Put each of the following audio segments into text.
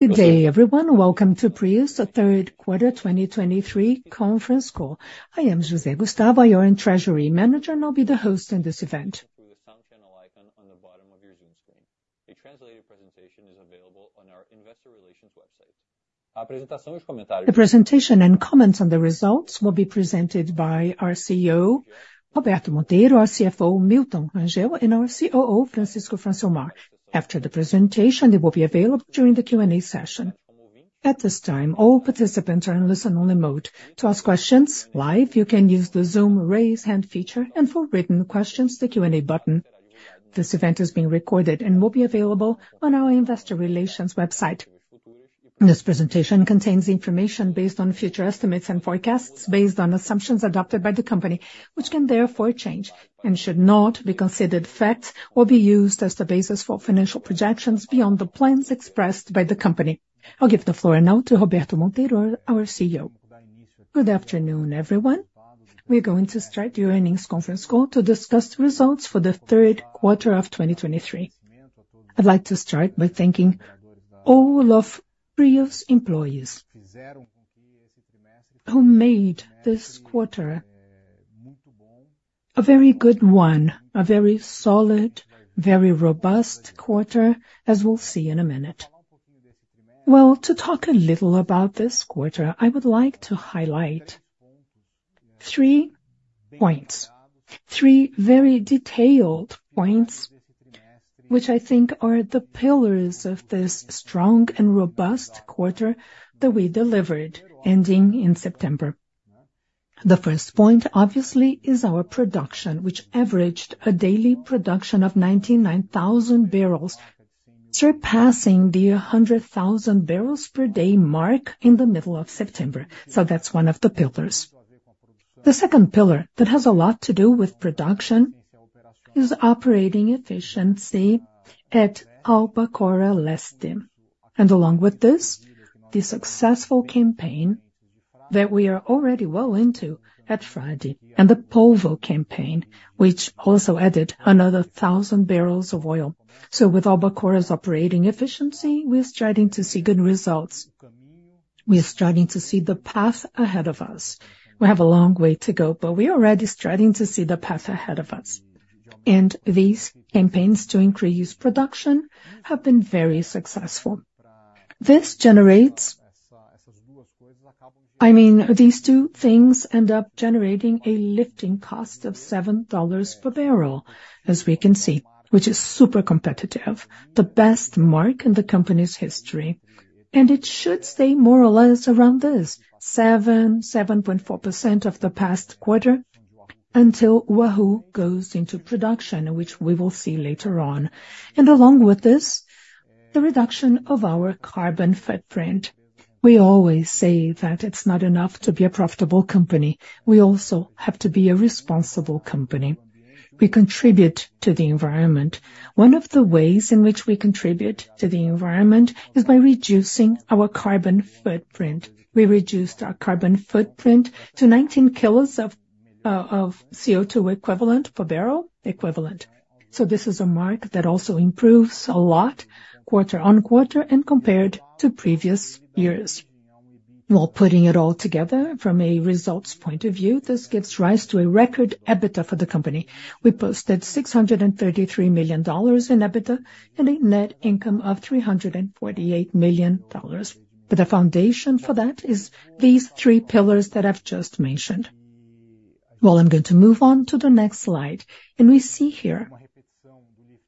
Good day, everyone. Welcome to PRIO's Q3 2023 conference call. I am José Gustavo, your treasury manager, and I'll be the host in this event. Through the sound channel icon on the bottom of your Zoom screen. A translated presentation is available on our investor relations website. The presentation and comments on the results will be presented by our CEO, Roberto Monteiro, our CFO, Milton Rangel, and our COO, Francisco Francilmar. After the presentation, they will be available during the Q&A session. At this time, all participants are in listen-only mode. To ask questions live, you can use the Zoom raise hand feature, and for written questions, the Q&A button. This event is being recorded and will be available on our investor relations website. This presentation contains information based on future estimates and forecasts, based on assumptions adopted by the company, which can therefore change and should not be considered facts or be used as the basis for financial projections beyond the plans expressed by the company. I'll give the floor now to Roberto Monteiro, our CEO. Good afternoon, everyone. We're going to start the earnings conference call to discuss the results for the Q3 of 2023. I'd like to start by thanking all of PRIO's employees who made this quarter a very good one, a very solid, very robust quarter, as we'll see in a minute. Well, to talk a little about this quarter, I would like to highlight three points, three very detailed points, which I think are the pillars of this strong and robust quarter that we delivered, ending in September. The first point, obviously, is our production, which averaged a daily production of 99,000 barrels, surpassing the 100,000 barrels per day mark in the middle of September. So that's one of the pillars. The second pillar that has a lot to do with production is operating efficiency at Albacora Leste. Along with this, the successful campaign that we are already well into at Frade, and the Polvo campaign, which also added another 1,000 barrels of oil. So with Albacora Leste's operating efficiency, we are starting to see good results. We are starting to see the path ahead of us. We have a long way to go, but we are already starting to see the path ahead of us, and these campaigns to increase production have been very successful. This generates, I mean, these two things end up generating a lifting cost of $7 per barrel, as we can see, which is super competitive, the best mark in the company's history. And it should stay more or less around this $7-$7.4 from the past quarter until Wahoo goes into production, which we will see later on. And along with this, the reduction of our carbon footprint. We always say that it's not enough to be a profitable company, we also have to be a responsible company. We contribute to the environment. One of the ways in which we contribute to the environment is by reducing our carbon footprint. We reduced our carbon footprint to 19 kg of, of CO2 equivalent per barrel equivalent. So this is a mark that also improves a lot quarter-over-quarter and compared to previous years. Well, putting it all together from a results point of view, this gives rise to a record EBITDA for the company. We posted $633 million in EBITDA and a net income of $348 million. But the foundation for that is these three pillars that I've just mentioned. Well, I'm going to move on to the next slide, and we see here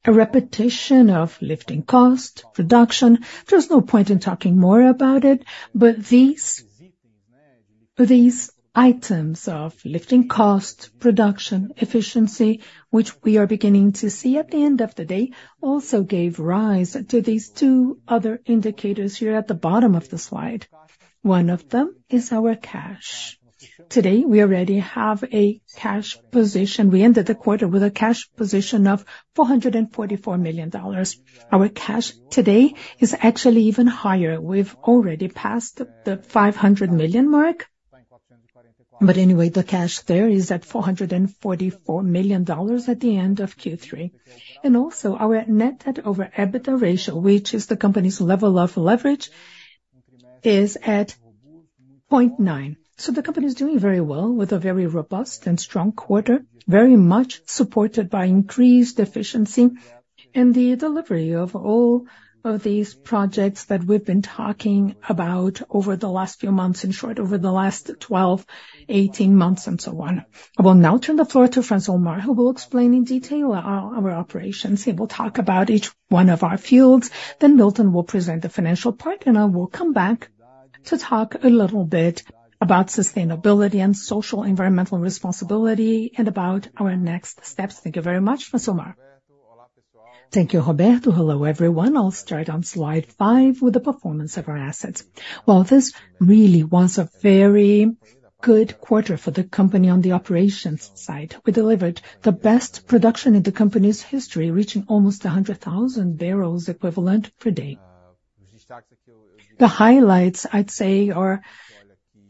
a repetition of lifting cost, production. There's no point in talking more about it, but these items of lifting cost, production, efficiency, which we are beginning to see at the end of the day, also gave rise to these two other indicators here at the bottom of the slide. One of them is our cash. Today, we already have a cash position. We ended the quarter with a cash position of $444 million. Our cash today is actually even higher. We've already passed the $500 million mark, but anyway, the cash there is at $444 million at the end of Q3. And also our net debt over EBITDA ratio, which is the company's level of leverage, is at 0.9. So the company is doing very well with a very robust and strong quarter, very much supported by increased efficiency and the delivery of all of these projects that we've been talking about over the last few months, in short, over the last 12, 18 months and so on. I will now turn the floor to Francilmar, who will explain in detail our, our operations. He will talk about each one of our fields, then Milton will present the financial part, and I will come back to talk a little bit about sustainability and social, environmental responsibility and about our next steps. Thank you very much, Francilmar. Thank you, Roberto. Hello, everyone. I'll start on slide five with the performance of our assets. Well, this really was a very good quarter for the company on the operations side. We delivered the best production in the company's history, reaching almost 100,000 barrels equivalent per day. The highlights, I'd say, are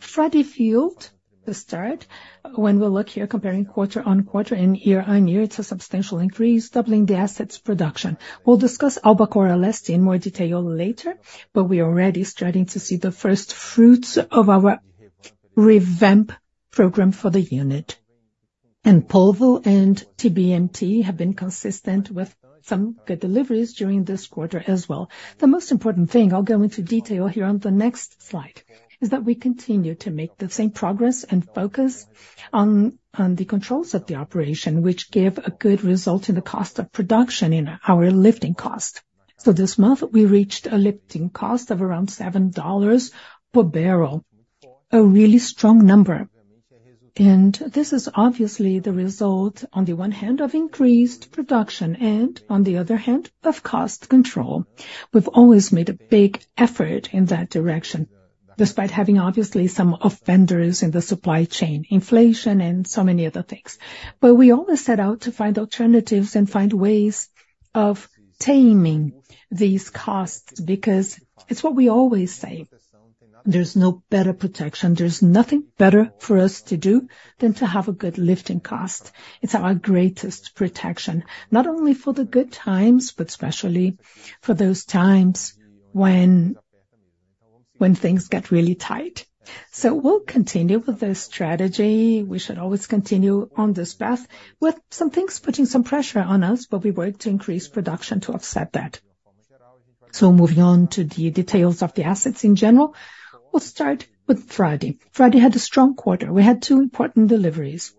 Frade Field, to start, when we look here comparing quarter-on-quarter and year-on-year, it's a substantial increase, doubling the assets production. We'll discuss Albacora Leste in more detail later, but we are already starting to see the first fruits of our revamp program for the unit. And Polvo and TBMT have been consistent with some good deliveries during this quarter as well. The most important thing, I'll go into detail here on the next slide, is that we continue to make the same progress and focus on, on the controls of the operation, which give a good result in the cost of production in our lifting cost. So this month, we reached a lifting cost of around $7 per barrel, a really strong number. This is obviously the result, on the one hand, of increased production, and on the other hand, of cost control. We've always made a big effort in that direction, despite having obviously some offenders in the supply chain, inflation and so many other things. But we always set out to find alternatives and find ways of taming these costs, because it's what we always say, there's no better protection. There's nothing better for us to do than to have a good lifting cost. It's our greatest protection, not only for the good times, but especially for those times when things get really tight. So we'll continue with this strategy. We should always continue on this path, with some things putting some pressure on us, but we work to increase production to offset that. So moving on to the details of the assets in general, we'll start with Frade. Frade had a strong quarter. We had two important deliveries,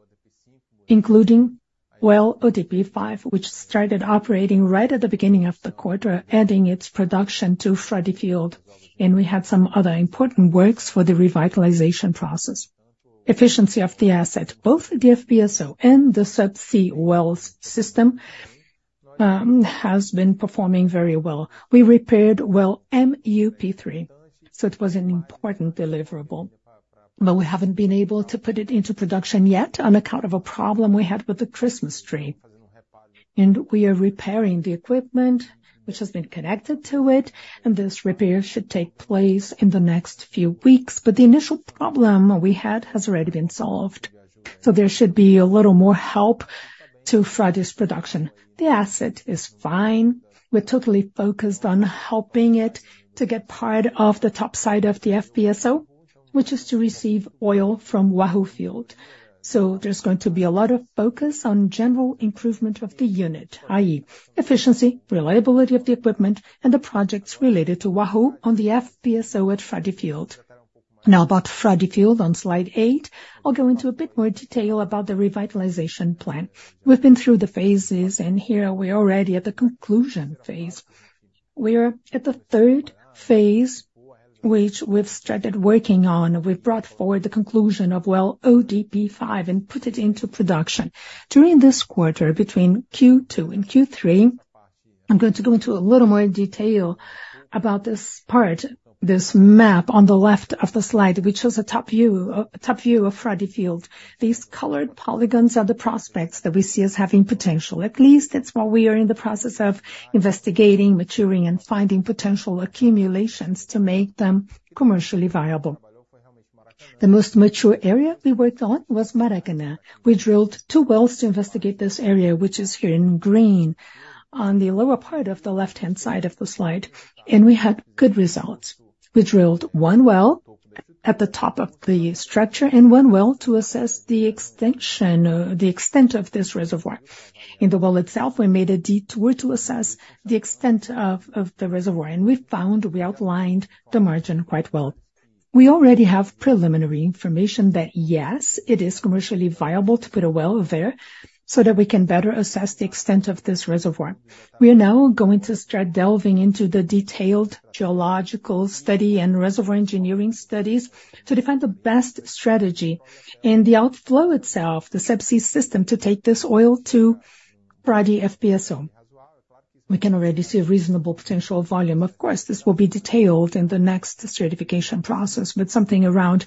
including Well ODP-5, which started operating right at the beginning of the quarter, adding its production to Frade Field. We had some other important works for the revitalization process. Efficiency of the asset, both the FPSO and the subsea wells system, has been performing very well. We repaired Well MUP-3, so it was an important deliverable, but we haven't been able to put it into production yet on account of a problem we had with the Christmas tree. We are repairing the equipment which has been connected to it, and this repair should take place in the next few weeks. But the initial problem we had has already been solved, so there should be a little more help to Frade's production. The asset is fine. We're totally focused on helping it to get part of the top side of the FPSO, which is to receive oil from Wahoo Field. So there's going to be a lot of focus on general improvement of the unit, i.e., efficiency, reliability of the equipment, and the projects related to Wahoo on the FPSO at Frade Field. Now, about Frade Field on slide eight, I'll go into a bit more detail about the revitalization plan. We've been through the phases, and here we are already at the conclusion phase. We are at the third phase, which we've started working on. We've brought forward the conclusion of Well ODP-5 and put it into production. During this quarter, between Q2 and Q3, I'm going to go into a little more detail about this part, this map on the left of the slide, which shows a top view, a top view of Frade Field. These colored polygons are the prospects that we see as having potential. At least that's why we are in the process of investigating, maturing, and finding potential accumulations to make them commercially viable. The most mature area we worked on was Maracanã. We drilled two wells to investigate this area, which is here in green, on the lower part of the left-hand side of the slide, and we had good results. We drilled one well at the top of the structure and one well to assess the extension, the extent of this reservoir. In the well itself, we made a detour to assess the extent of the reservoir, and we found we outlined the margin quite well. We already have preliminary information that, yes, it is commercially viable to put a well there so that we can better assess the extent of this reservoir. We are now going to start delving into the detailed geological study and reservoir engineering studies to define the best strategy and the outflow itself, the subsea system, to take this oil to Frade FPSO. We can already see a reasonable potential volume. Of course, this will be detailed in the next certification process, but something around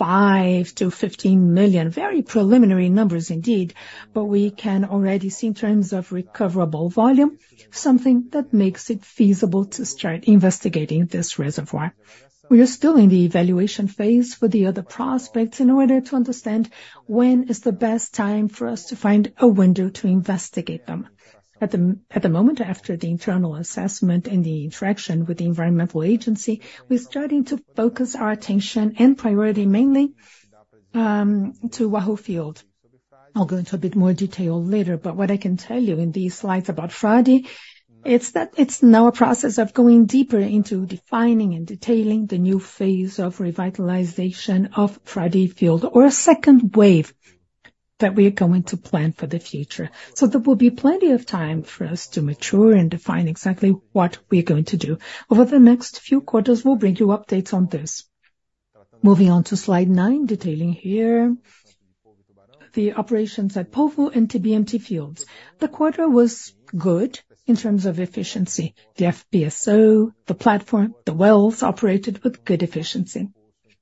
5-15 million. Very preliminary numbers indeed, but we can already see in terms of recoverable volume, something that makes it feasible to start investigating this reservoir. We are still in the evaluation phase for the other prospects in order to understand when is the best time for us to find a window to investigate them. At the moment, after the internal assessment and the interaction with the environmental agency, we're starting to focus our attention and priority mainly to Wahoo Field. I'll go into a bit more detail later, but what I can tell you in these slides about Frade, it's that it's now a process of going deeper into defining and detailing the new phase of revitalization of Frade Field, or a second wave that we are going to plan for the future. So there will be plenty of time for us to mature and define exactly what we're going to do. Over the next few quarters, we'll bring you updates on this. Moving on to slide nine, detailing here the operations at Polvo and TBMT fields. The quarter was good in terms of efficiency. The FPSO, the platform, the wells operated with good efficiency.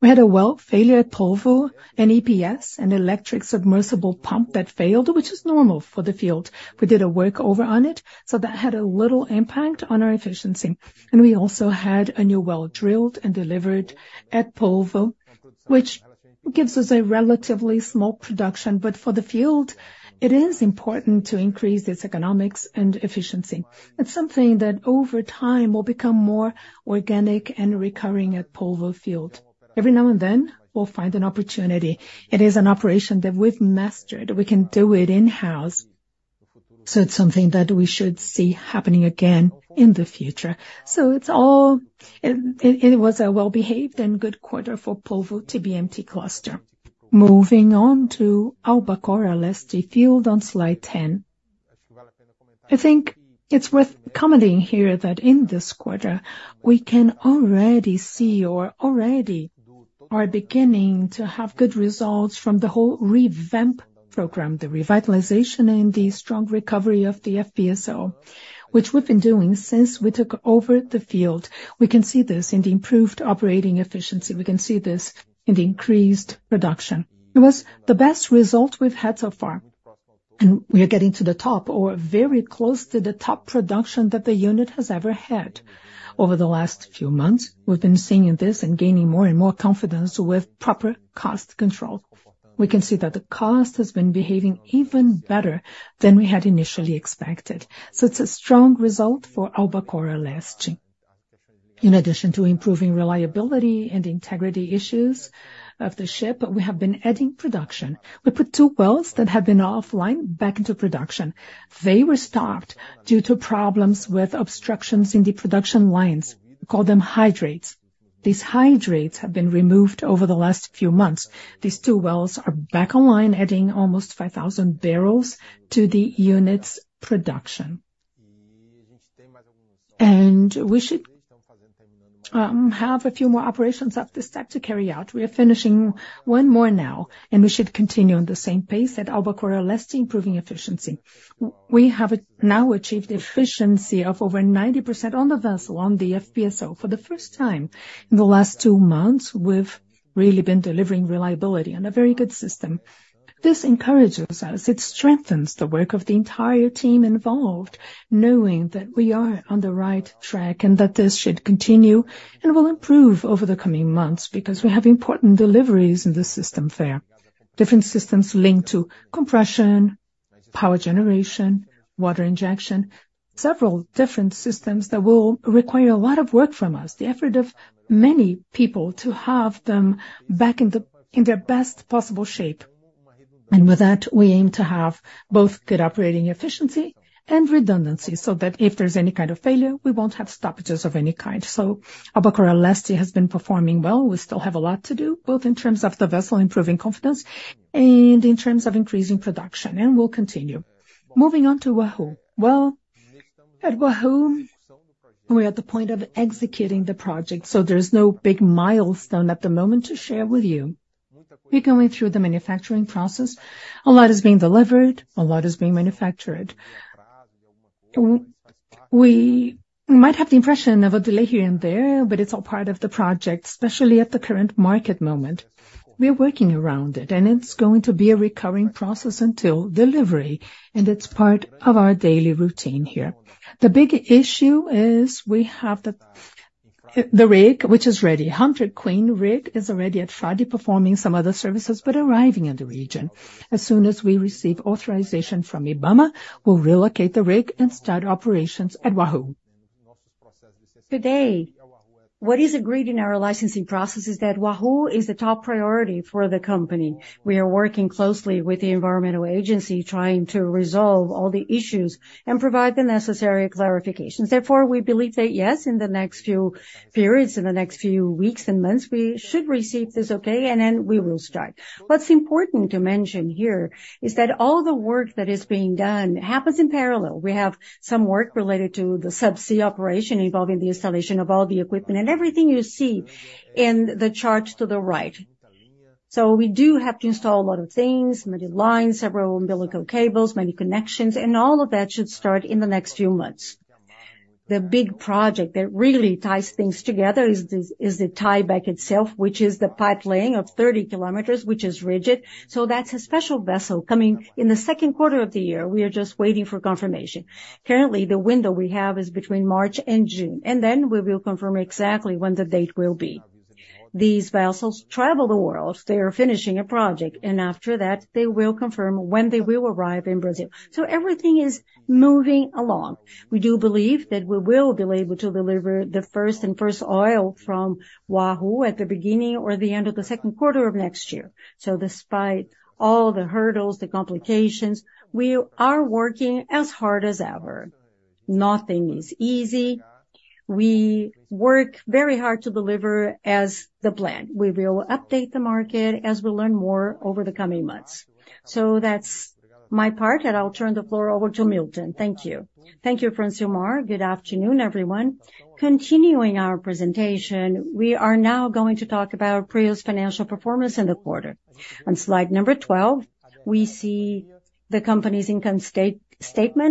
We had a well failure at Polvo, an EPS, an electric submersible pump that failed, which is normal for the field. We did a workover on it, so that had a little impact on our efficiency. We also had a new well drilled and delivered at Polvo, which gives us a relatively small production, but for the field, it is important to increase its economics and efficiency. It's something that over time, will become more organic and recurring at Polvo Field. Every now and then, we'll find an opportunity. It is an operation that we've mastered. We can do it in-house, so it's something that we should see happening again in the future. So it was a well-behaved and good quarter for Polvo TBMT cluster. Moving on to Albacora Leste field on slide 10. I think it's worth commenting here that in this quarter, we can already see or already are beginning to have good results from the whole revamp program, the revitalization and the strong recovery of the FPSO, which we've been doing since we took over the field. We can see this in the improved operating efficiency. We can see this in the increased production. It was the best result we've had so far, and we are getting to the top or very close to the top production that the unit has ever had. Over the last few months, we've been seeing this and gaining more and more confidence with proper cost control. We can see that the cost has been behaving even better than we had initially expected. So it's a strong result for Albacora Leste. In addition to improving reliability and integrity issues of the ship, we have been adding production. We put two wells that have been offline back into production. They were stopped due to problems with obstructions in the production lines, we call them hydrates. These hydrates have been removed over the last few months. These two wells are back online, adding almost 5,000 barrels to the unit's production. We should have a few more operations of this type to carry out. We are finishing one more now, and we should continue on the same pace at Albacora Leste, improving efficiency. We have now achieved efficiency of over 90% on the vessel, on the FPSO for the first time. In the last two months, we've really been delivering reliability and a very good system. This encourages us. It strengthens the work of the entire team involved, knowing that we are on the right track and that this should continue and will improve over the coming months, because we have important deliveries in the system fair. Different systems linked to compression, power generation, water injection, several different systems that will require a lot of work from us, the effort of many people to have them back in their best possible shape. And with that, we aim to have both good operating efficiency and redundancy, so that if there's any kind of failure, we won't have stoppages of any kind. So Albacora Leste has been performing well. We still have a lot to do, both in terms of the vessel, improving confidence, and in terms of increasing production, and we'll continue. Moving on to Wahoo. Well, at Wahoo, we're at the point of executing the project, so there's no big milestone at the moment to share with you. We're going through the manufacturing process. A lot is being delivered, a lot is being manufactured. We might have the impression of a delay here and there, but it's all part of the project, especially at the current market moment. We're working around it, and it's going to be a recurring process until delivery, and it's part of our daily routine here. The big issue is we have the rig, which is ready. Hunter Queen rig is already at Frade, performing some other services, but arriving in the region. As soon as we receive authorization from IBAMA, we'll relocate the rig and start operations at Wahoo. Today, what is agreed in our licensing process is that Wahoo is a top priority for the company. We are working closely with the environmental agency, trying to resolve all the issues and provide the necessary clarifications. Therefore, we believe that, yes, in the next few periods, in the next few weeks and months, we should receive this okay, and then we will start. What's important to mention here is that all the work that is being done happens in parallel. We have some work related to the subsea operation, involving the installation of all the equipment and everything you see in the charts to the right. We do have to install a lot of things, many lines, several umbilical cables, many connections, and all of that should start in the next few months. The big project that really ties things together is the tieback itself, which is the pipe laying of 30 km, which is rigid. That's a special vessel coming in the Q2 of the year. We are just waiting for confirmation. Currently, the window we have is between March and June, and then we will confirm exactly when the date will be. These vessels travel the world. They are finishing a project, and after that, they will confirm when they will arrive in Brazil. Everything is moving along. We do believe that we will be able to deliver the first oil from Wahoo at the beginning or the end of the Q2 of next year. Despite all the hurdles, the complications, we are working as hard as ever. Nothing is easy. We work very hard to deliver as the plan. We will update the market as we learn more over the coming months. That's my part, and I'll turn the floor over to Milton. Thank you. Thank you, Francilmar. Good afternoon, everyone. Continuing our presentation, we are now going to talk about PRIO's financial performance in the quarter. On slide number 12, we see the company's income statement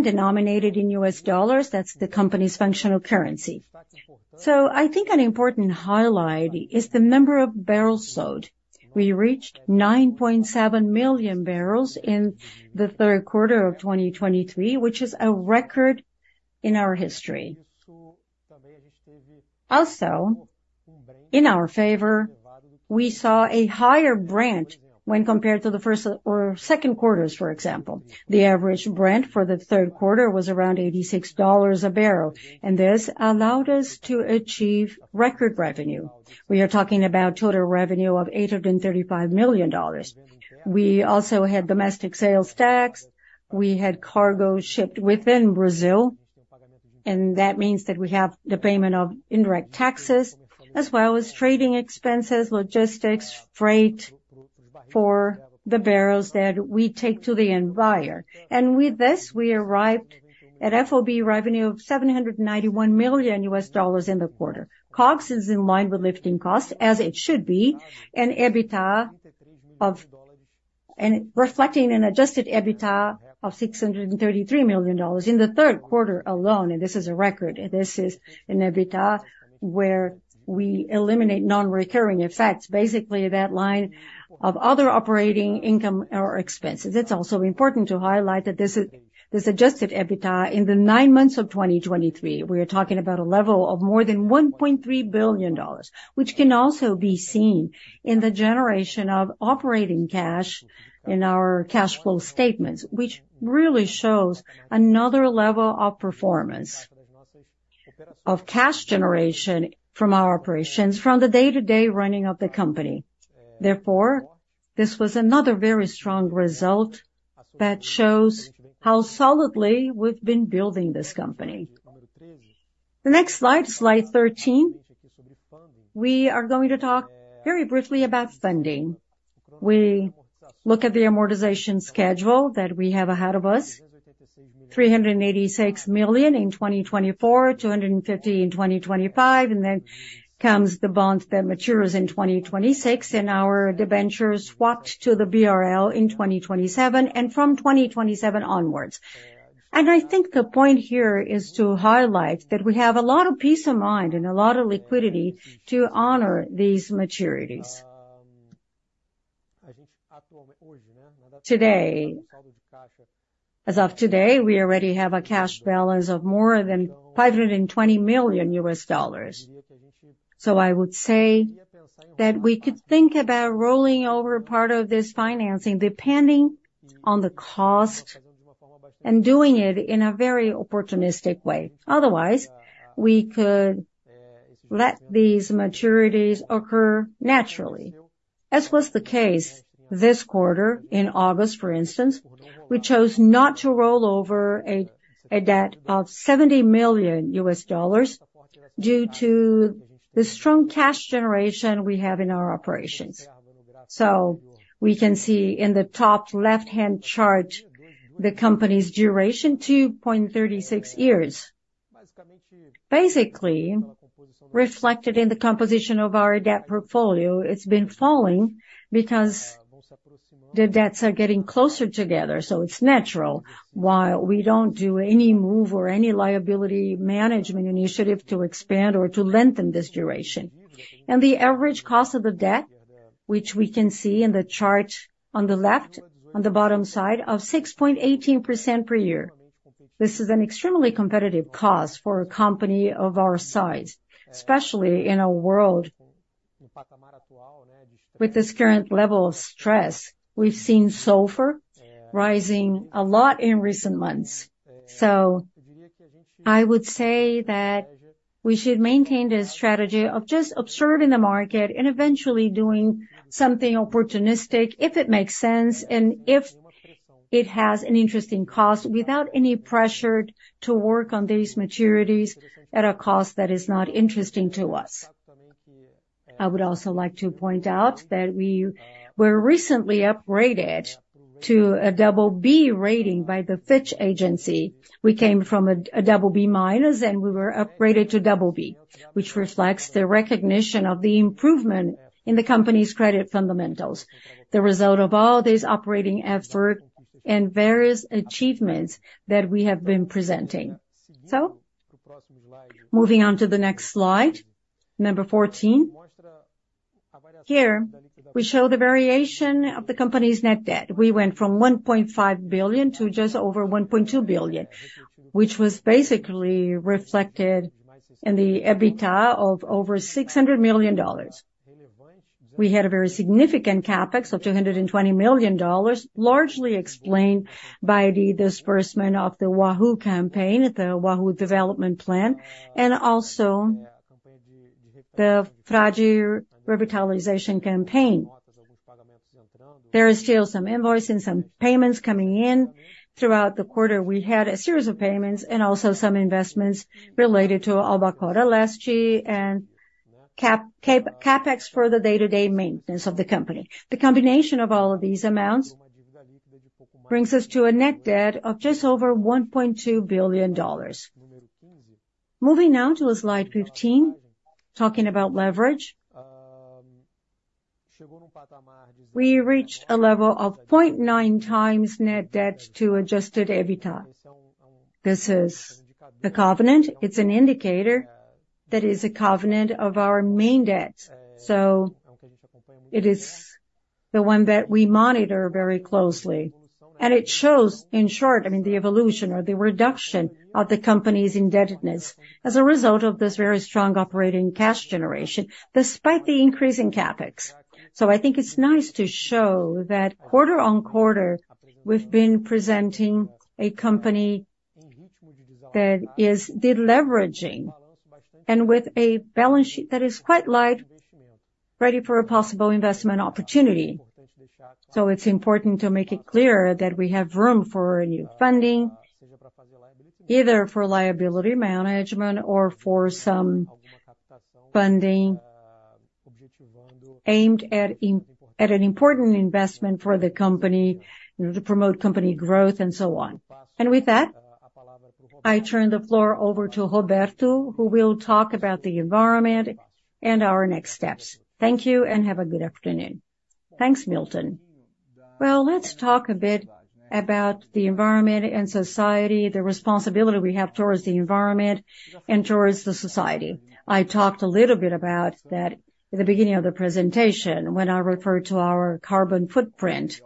denominated in U.S. dollars. That's the company's functional currency. So I think an important highlight is the number of barrels sold. We reached 9.7 million barrels in the Q3 of 2023, which is a record in our history. Also, in our favor, we saw a higher Brent when compared to the first or Q2s, for example. The average Brent for the Q3 was around $86 a barrel, and this allowed us to achieve record revenue. We are talking about total revenue of $835 million. We also had domestic sales tax, we had cargo shipped within Brazil, and that means that we have the payment of indirect taxes, as well as trading expenses, logistics, freight for the barrels that we take to the end buyer. And with this, we arrived at FOB revenue of $791 million in the quarter. COGS is in line with lifting costs, as it should be, and reflecting an adjusted EBITDA of $633 million in the Q3 alone, and this is a record. This is an EBITDA where we eliminate non-recurring effects, basically that line of other operating income or expenses. It's also important to highlight that this is, this adjusted EBITDA in the nine months of 2023, we are talking about a level of more than $1.3 billion, which can also be seen in the generation of operating cash in our cash flow statements. Which really shows another level of performance of cash generation from our operations from the day-to-day running of the company. Therefore, this was another very strong result that shows how solidly we've been building this company. The next slide, slide 13. We are going to talk very briefly about funding. We look at the amortization schedule that we have ahead of us, $386 million in 2024, $250 million in 2025, and then comes the bond that matures in 2026, and our debentures swapped to the BRL in 2027, and from 2027 onwards. I think the point here is to highlight that we have a lot of peace of mind and a lot of liquidity to honor these maturities. Today, as of today, we already have a cash balance of more than $520 million. So I would say that we could think about rolling over part of this financing, depending on the cost, and doing it in a very opportunistic way. Otherwise, we could let these maturities occur naturally. As was the case this quarter, in August, for instance, we chose not to roll over a debt of $70 million due to the strong cash generation we have in our operations. So we can see in the top left-hand chart, the company's duration, 2.36 years. Basically, reflected in the composition of our debt portfolio, it's been falling because the debts are getting closer together, so it's natural, while we don't do any move or any liability management initiative to expand or to lengthen this duration. And the average cost of the debt, which we can see in the chart on the left, on the bottom side, of 6.18% per year. This is an extremely competitive cost for a company of our size, especially in a world with this current level of stress. We've seen SOFR rising a lot in recent months. So I would say that we should maintain the strategy of just observing the market and eventually doing something opportunistic, if it makes sense, and if it has an interesting cost, without any pressure to work on these maturities at a cost that is not interesting to us. I would also like to point out that we were recently upgraded to a double B rating by the Fitch agency. We came from a double B minus, and we were upgraded to double B, which reflects the recognition of the improvement in the company's credit fundamentals, the result of all this operating effort and various achievements that we have been presenting. So moving on to the next slide, number 14. Here, we show the variation of the company's net debt. We went from $1.5 billion to just over $1.2 billion, which was basically reflected in the EBITDA of over $600 million. We had a very significant Capex of $220 million, largely explained by the disbursement of the Wahoo campaign, the Wahoo development plan, and also the Frade revitalization campaign. There is still some invoicing, some payments coming in. Throughout the quarter, we had a series of payments and also some investments related to Albacora Leste, and Capex for the day-to-day maintenance of the company. The combination of all of these amounts brings us to a net debt of just over $1.2 billion. Moving now to slide 15, talking about leverage. We reached a level of 0.9x net debt to adjusted EBITDA. This is the covenant. It's an indicator that is a covenant of our main debt. So it is the one that we monitor very closely, and it shows in short, I mean, the evolution or the reduction of the company's indebtedness as a result of this very strong operating cash generation, despite the increase in Capex. So I think it's nice to show that quarter-on-quarter, we've been presenting a company that is deleveraging and with a balance sheet that is quite light, ready for a possible investment opportunity. So it's important to make it clear that we have room for a new funding, either for liability management or for some funding aimed at at an important investment for the company, to promote company growth and so on. And with that, I turn the floor over to Roberto, who will talk about the environment and our next steps. Thank you and have a good afternoon. Thanks, Milton. Well, let's talk a bit about the environment and society, the responsibility we have towards the environment and towards the society. I talked a little bit about that at the beginning of the presentation when I referred to our carbon footprint.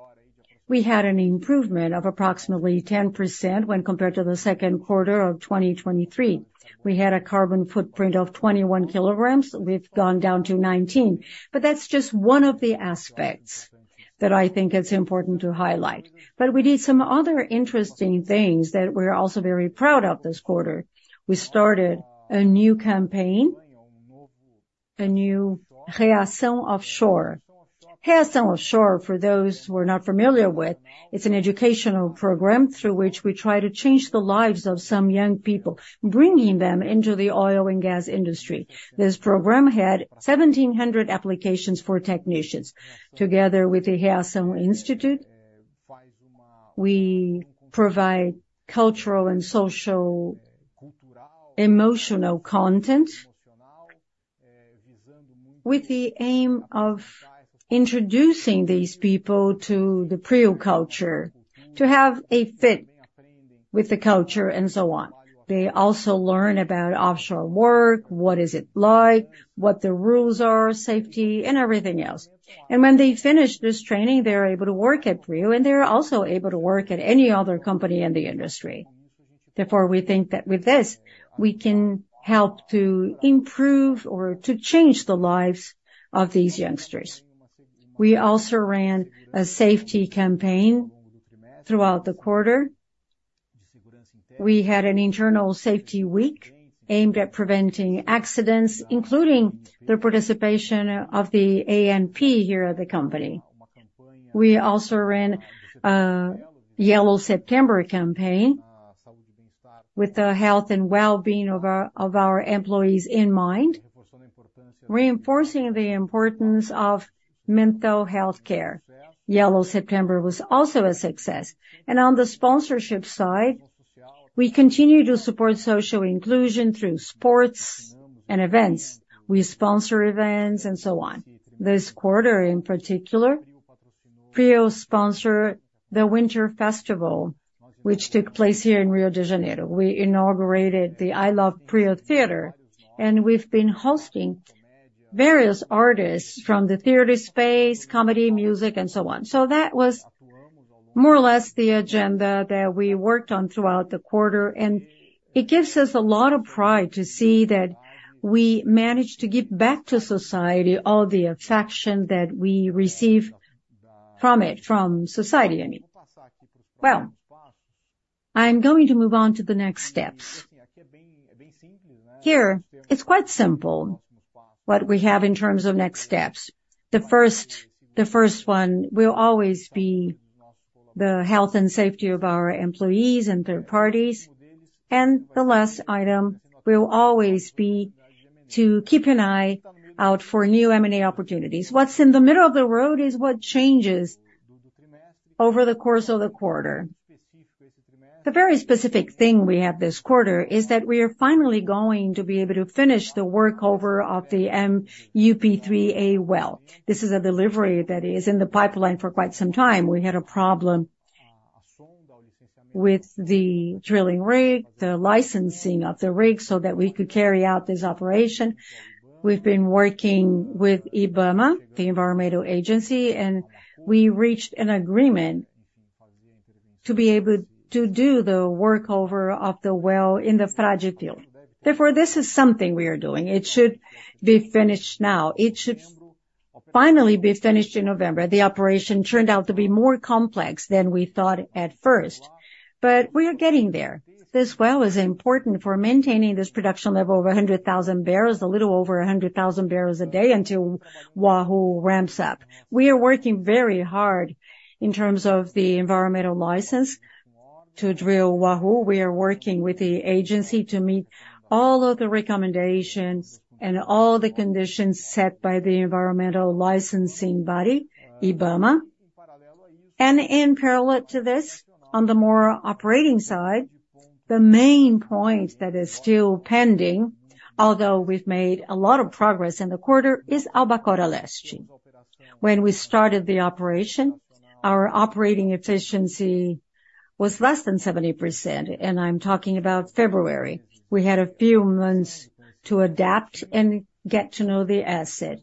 We had an improvement of approximately 10% when compared to the Q2 of 2023. We had a carbon footprint of 21 kg; we've gone down to 19. But that's just one of the aspects that I think it's important to highlight. But we did some other interesting things that we're also very proud of this quarter. We started a new campaign, a new Reação Offshore. Reação Offshore, for those who are not familiar with, it's an educational program through which we try to change the lives of some young people, bringing them into the oil and gas industry. This program had 1,700 applications for technicians. Together with the Reação Institute, we provide cultural and social, emotional content, with the aim of introducing these people to the PRIO culture, to have a fit with the culture and so on. They also learn about offshore work, what it is like, what the rules are, safety, and everything else. When they finish this training, they're able to work at PRIO, and they're also able to work at any other company in the industry. Therefore, we think that with this, we can help to improve or to change the lives of these youngsters. We also ran a safety campaign throughout the quarter. We had an internal safety week aimed at preventing accidents, including the participation of the ANP here at the company. We also ran a Yellow September campaign with the health and well-being of our employees in mind, reinforcing the importance of mental healthcare. Yellow September was also a success. On the sponsorship side, we continue to support social inclusion through sports and events. We sponsor events and so on. This quarter, in particular, PRIO sponsored the Winter Festival, which took place here in Rio de Janeiro. We inaugurated the I Love PRIO Theater, and we've been hosting various artists from the theater space, comedy, music, and so on. So that was more or less the agenda that we worked on throughout the quarter, and it gives us a lot of pride to see that we managed to give back to society all the affection that we receive from it, from society, I mean. Well, I'm going to move on to the next steps. Here, it's quite simple, what we have in terms of next steps. The first, the first one will always be the health and safety of our employees and third parties, and the last item will always be to keep an eye out for new M&A opportunities. What's in the middle of the road is what changes over the course of the quarter. The very specific thing we have this quarter, is that we are finally going to be able to finish the workover of the MUP-3A well. This is a delivery that is in the pipeline for quite some time. We had a problem with the drilling rig, the licensing of the rig, so that we could carry out this operation. We've been working with IBAMA, the Environmental Agency, and we reached an agreement to be able to do the workover of the well in the Frade field. Therefore, this is something we are doing. It should be finished now. It should finally be finished in November. The operation turned out to be more complex than we thought at first, but we are getting there. This well is important for maintaining this production level of 100,000 barrels, a little over 100,000 barrels a day until Wahoo ramps up. We are working very hard in terms of the environmental license to drill Wahoo. We are working with the agency to meet all of the recommendations and all the conditions set by the environmental licensing body, IBAMA. And in parallel to this, on the more operating side, the main point that is still pending, although we've made a lot of progress in the quarter, is Albacora Leste. When we started the operation. Our operating efficiency was less than 70%, and I'm talking about February. We had a few months to adapt and get to know the asset.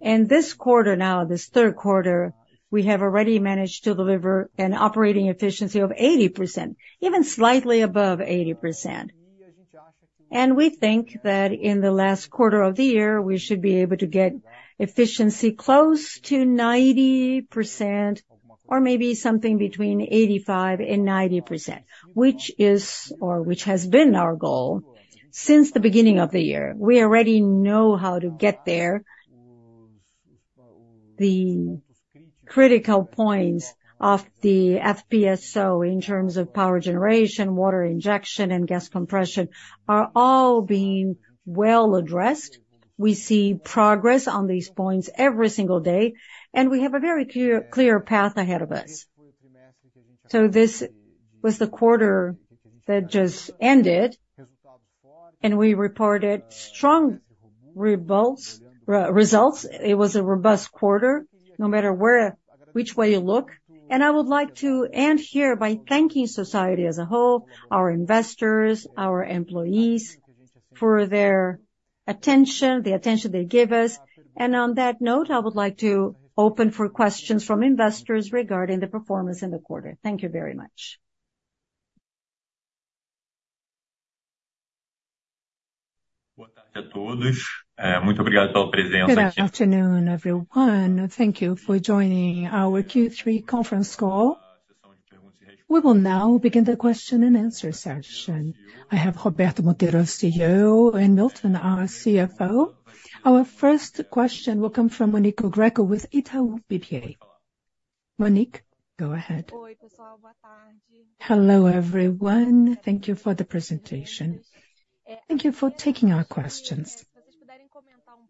In this quarter, now, this Q3, we have already managed to deliver an operating efficiency of 80%, even slightly above 80%. We think that in the last quarter of the year, we should be able to get efficiency close to 90%, or maybe something between 85% and 90%, which is, or which has been our goal since the beginning of the year. We already know how to get there. The critical points of the FPSO in terms of power generation, water injection, and gas compression, are all being well addressed. We see progress on these points every single day, and we have a very clear, clear path ahead of us. This was the quarter that just ended, and we reported strong results. It was a robust quarter, no matter where, which way you look. I would like to end here by thanking society as a whole, our investors, our employees, for their attention, the attention they give us. On that note, I would like to open for questions from investors regarding the performance in the quarter. Thank you very much. Good afternoon, everyone. Thank you for joining our Q3 conference call. We will now begin the question and answer session. I have Roberto Monteiro, CEO, and Milton, our CFO. Our first question will come from Monique Greco with Itaú BBA. Monique, go ahead. Hello, everyone. Thank you for the presentation. Thank you for taking our questions.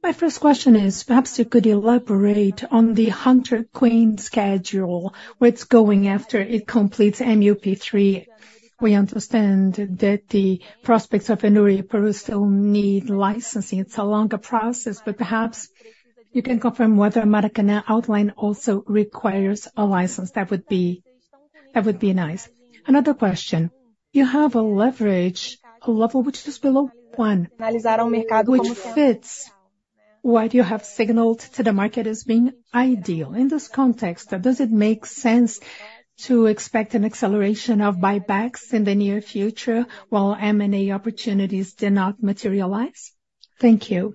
My first question is, perhaps you could elaborate on the Hunter Queen schedule, what's going after it completes MUP-3A. We understand that the prospects of Anuri, Peru, still need licensing. It's a longer process, but perhaps you can confirm whether Maracanã outline also requires a license. That would be, that would be nice. Another question: You have a leverage, a level which is below one, which fits what you have signaled to the market as being ideal. In this context, does it make sense to expect an acceleration of buybacks in the near future while M&A opportunities do not materialize? Thank you.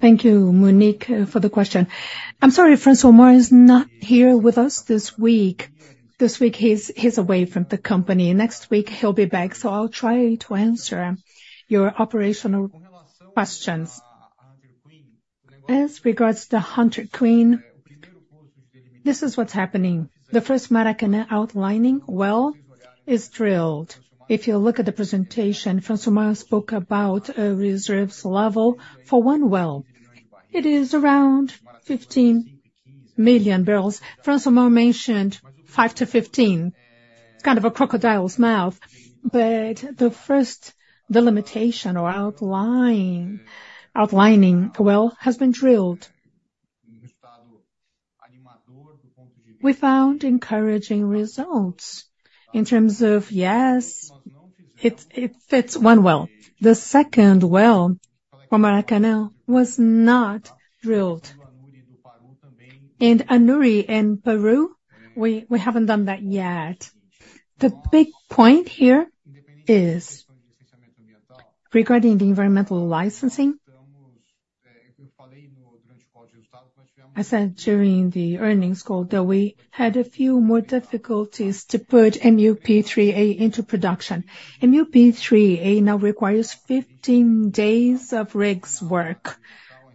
Thank you, Monique, for the question. I'm sorry, Francisco Francilmar is not here with us this week. This week, he's away from the company. Next week, he'll be back, so I'll try to answer your operational questions. As regards to Hunter Queen, this is what's happening. The first Maracanã outlining well is drilled. If you look at the presentation, Francisco Francilmar spoke about a reserves level for one well. It is around 15 million barrels. Francisco Francilmar mentioned five to 15. It's kind of a crocodile's mouth, but the first delimitation or outline, outlining well, has been drilled. We found encouraging results. In terms of, yes, it fits one well. The second well for Maracanã was not drilled. In Anuri, in Peru, we haven't done that yet. The big point here is regarding the environmental licensing. I said during the earnings call that we had a few more difficulties to put MUP-3A into production. MUP-3A now requires 15 days of rigs work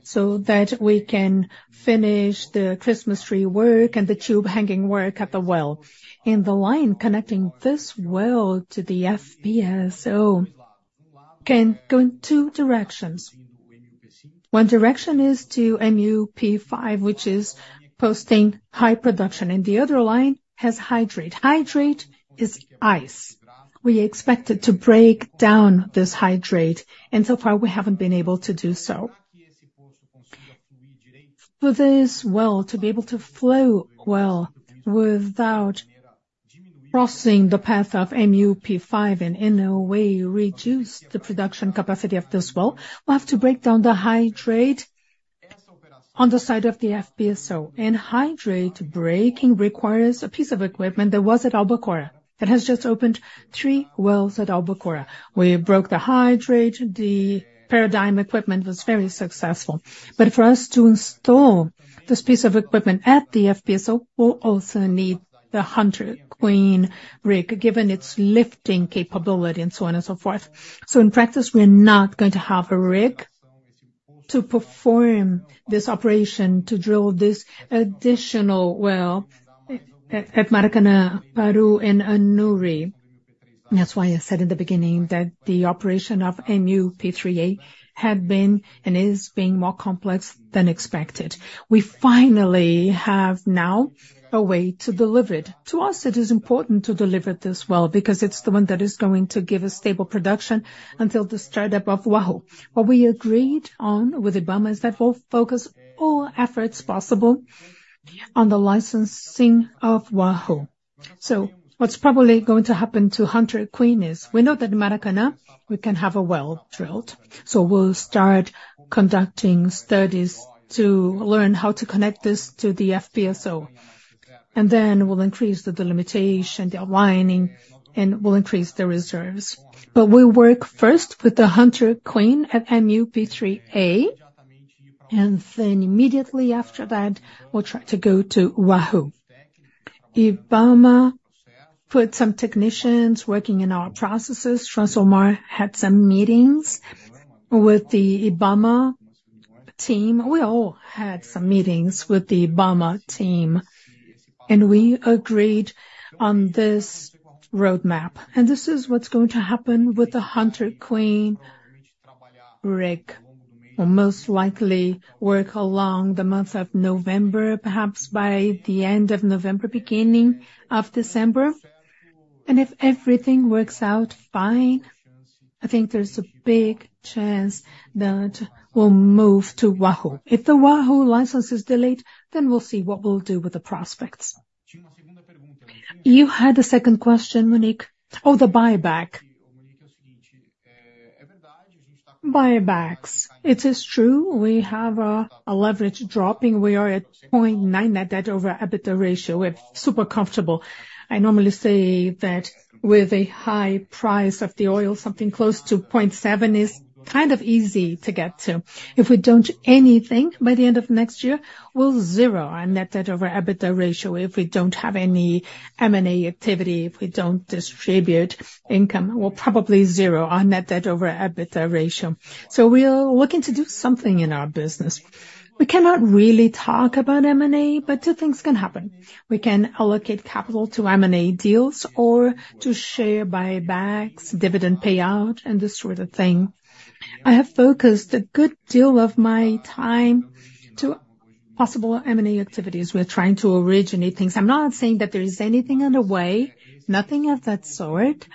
so that we can finish the Christmas tree work and the tube hanging work at the well. And the line connecting this well to the FPSO can go in two directions. One direction is to MUP5, which is posting high production, and the other line has hydrate. Hydrate is ice. We expect it to break down this hydrate, and so far, we haven't been able to do so. For this well to be able to flow well without crossing the path of MUP-5 and in a way reduce the production capacity of this well, we'll have to break down the hydrate on the side of the FPSO. And hydrate breaking requires a piece of equipment that was at Albacora, that has just opened three wells at Albacora. We broke the hydrate, the paradigm equipment was very successful. But for us to install this piece of equipment at the FPSO, we'll also need the Hunter Queen rig, given its lifting capability and so on and so forth. So in practice, we're not going to have a rig to perform this operation, to drill this additional well at Maracanã, Peru, and Anuri. That's why I said in the beginning that the operation of MUP-3A had been and is being more complex than expected. We finally have now a way to deliver it. To us, it is important to deliver this well, because it's the one that is going to give a stable production until the start-up of Wahoo. What we agreed on with the government is that we'll focus all efforts possible on the licensing of Wahoo.... So what's probably going to happen to Hunter Queen is, we know that in Maracanã, we can have a well drilled. So we'll start conducting studies to learn how to connect this to the FPSO, and then we'll increase the delimitation, the aligning, and we'll increase the reserves. But we'll work first with the Hunter Queen at MUP-3A, and then immediately after that, we'll try to go to Wahoo. IBAMA put some technicians working in our processes. Francilmar had some meetings with the IBAMA team. We all had some meetings with the IBAMA team, and we agreed on this roadmap. This is what's going to happen with the Hunter Queen rig; it will most likely work along the month of November, perhaps by the end of November, beginning of December. And if everything works out fine, I think there's a big chance that we'll move to Wahoo. If the Wahoo license is delayed, then we'll see what we'll do with the prospects. You had a second question, Monique? Oh, the buyback. Buybacks. It is true, we have a, a leverage dropping. We are at 0.9 net debt over EBITDA ratio. We're super comfortable. I normally say that with a high price of the oil, something close to 0.7 is kind of easy to get to. If we don't do anything by the end of next year, we'll zero our net debt over EBITDA ratio. If we don't have any M&A activity, if we don't distribute income, we'll probably zero our net debt over EBITDA ratio. So we're looking to do something in our business. We cannot really talk about M&A, but two things can happen. We can allocate capital to M&A deals or to share buybacks, dividend payout, and this sort of thing. I have focused a good deal of my time to possible M&A activities. We're trying to originate things. I'm not saying that there is anything underway, nothing of that sort,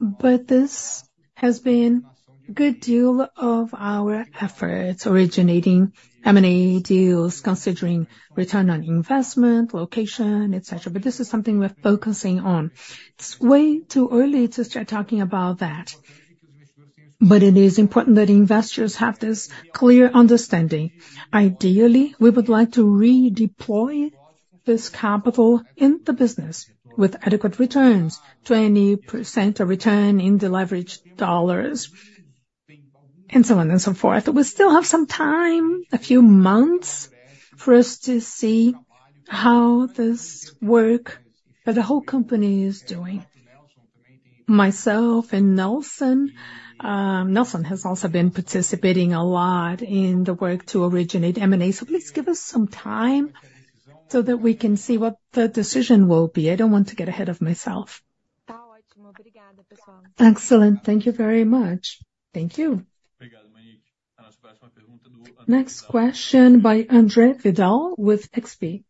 but this has been a good deal of our efforts, originating M&A deals, considering return on investment, location, etc. But this is something we're focusing on. It's way too early to start talking about that, but it is important that investors have this clear understanding. Ideally, we would like to redeploy this capital in the business with adequate returns, 20% of return in the leveraged dollars, and so on and so forth. We still have some time, a few months, for us to see how this work that the whole company is doing. Myself and Nelson, Nelson has also been participating a lot in the work to originate M&A. So please give us some time so that we can see what the decision will be. I don't want to get ahead of myself. Excellent. Thank you very much. Thank you. Next question by Andre Vidal with XP.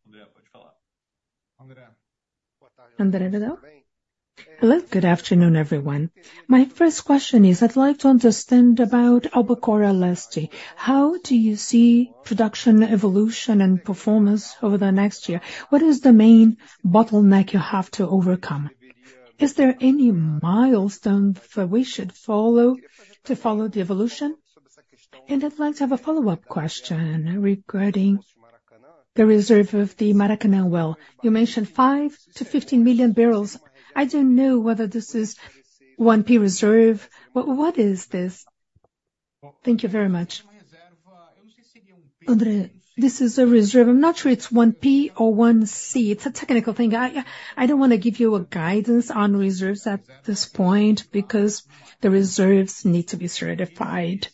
Andre Vidal? Hello, good afternoon, everyone. My first question is, I'd like to understand about Albacora Leste. How do you see production, evolution, and performance over the next year? What is the main bottleneck you have to overcome? Is there any milestone that we should follow to follow the evolution? And I'd like to have a follow-up question regarding the reserve of the Maracanã well. You mentioned 5-15 million barrels. I don't know whether this is one P reserve. What, what is this? Thank you very much. Andre, this is a reserve. I'm not sure it's one P or one C. It's a technical thing. I, I don't want to give you a guidance on reserves at this point because the reserves need to be certified.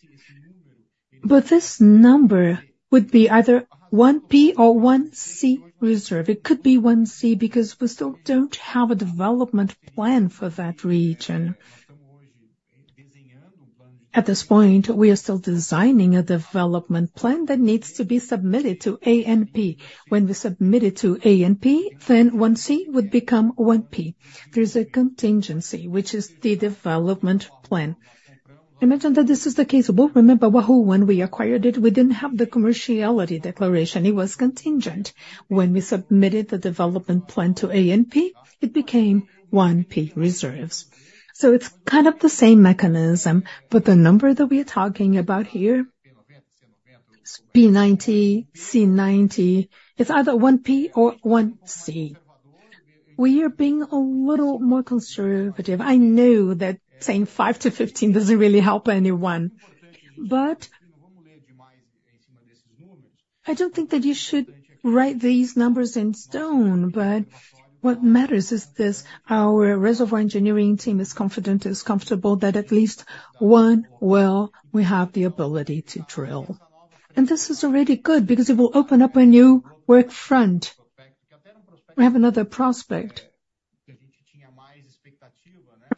But this number would be either one P or one C reserve. It could be one C, because we still don't have a development plan for that region. At this point, we are still designing a development plan that needs to be submitted to ANP. When we submit it to ANP, then 1C would become 1P. There's a contingency, which is the development plan. I mentioned that this is the case of Wahoo. Remember, Wahoo, when we acquired it, we didn't have the commerciality declaration. It was contingent. When we submitted the development plan to ANP, it became 1P reserves. So it's kind of the same mechanism, but the number that we are talking about here, P90, C90, it's either 1P or 1C. We are being a little more conservative. I know that saying five to 15 doesn't really help anyone, but I don't think that you should write these numbers in stone. But what matters is this, our reservoir engineering team is confident, is comfortable, that at least one well, we have the ability to drill. And this is already good because it will open up a new work front. We have another prospect,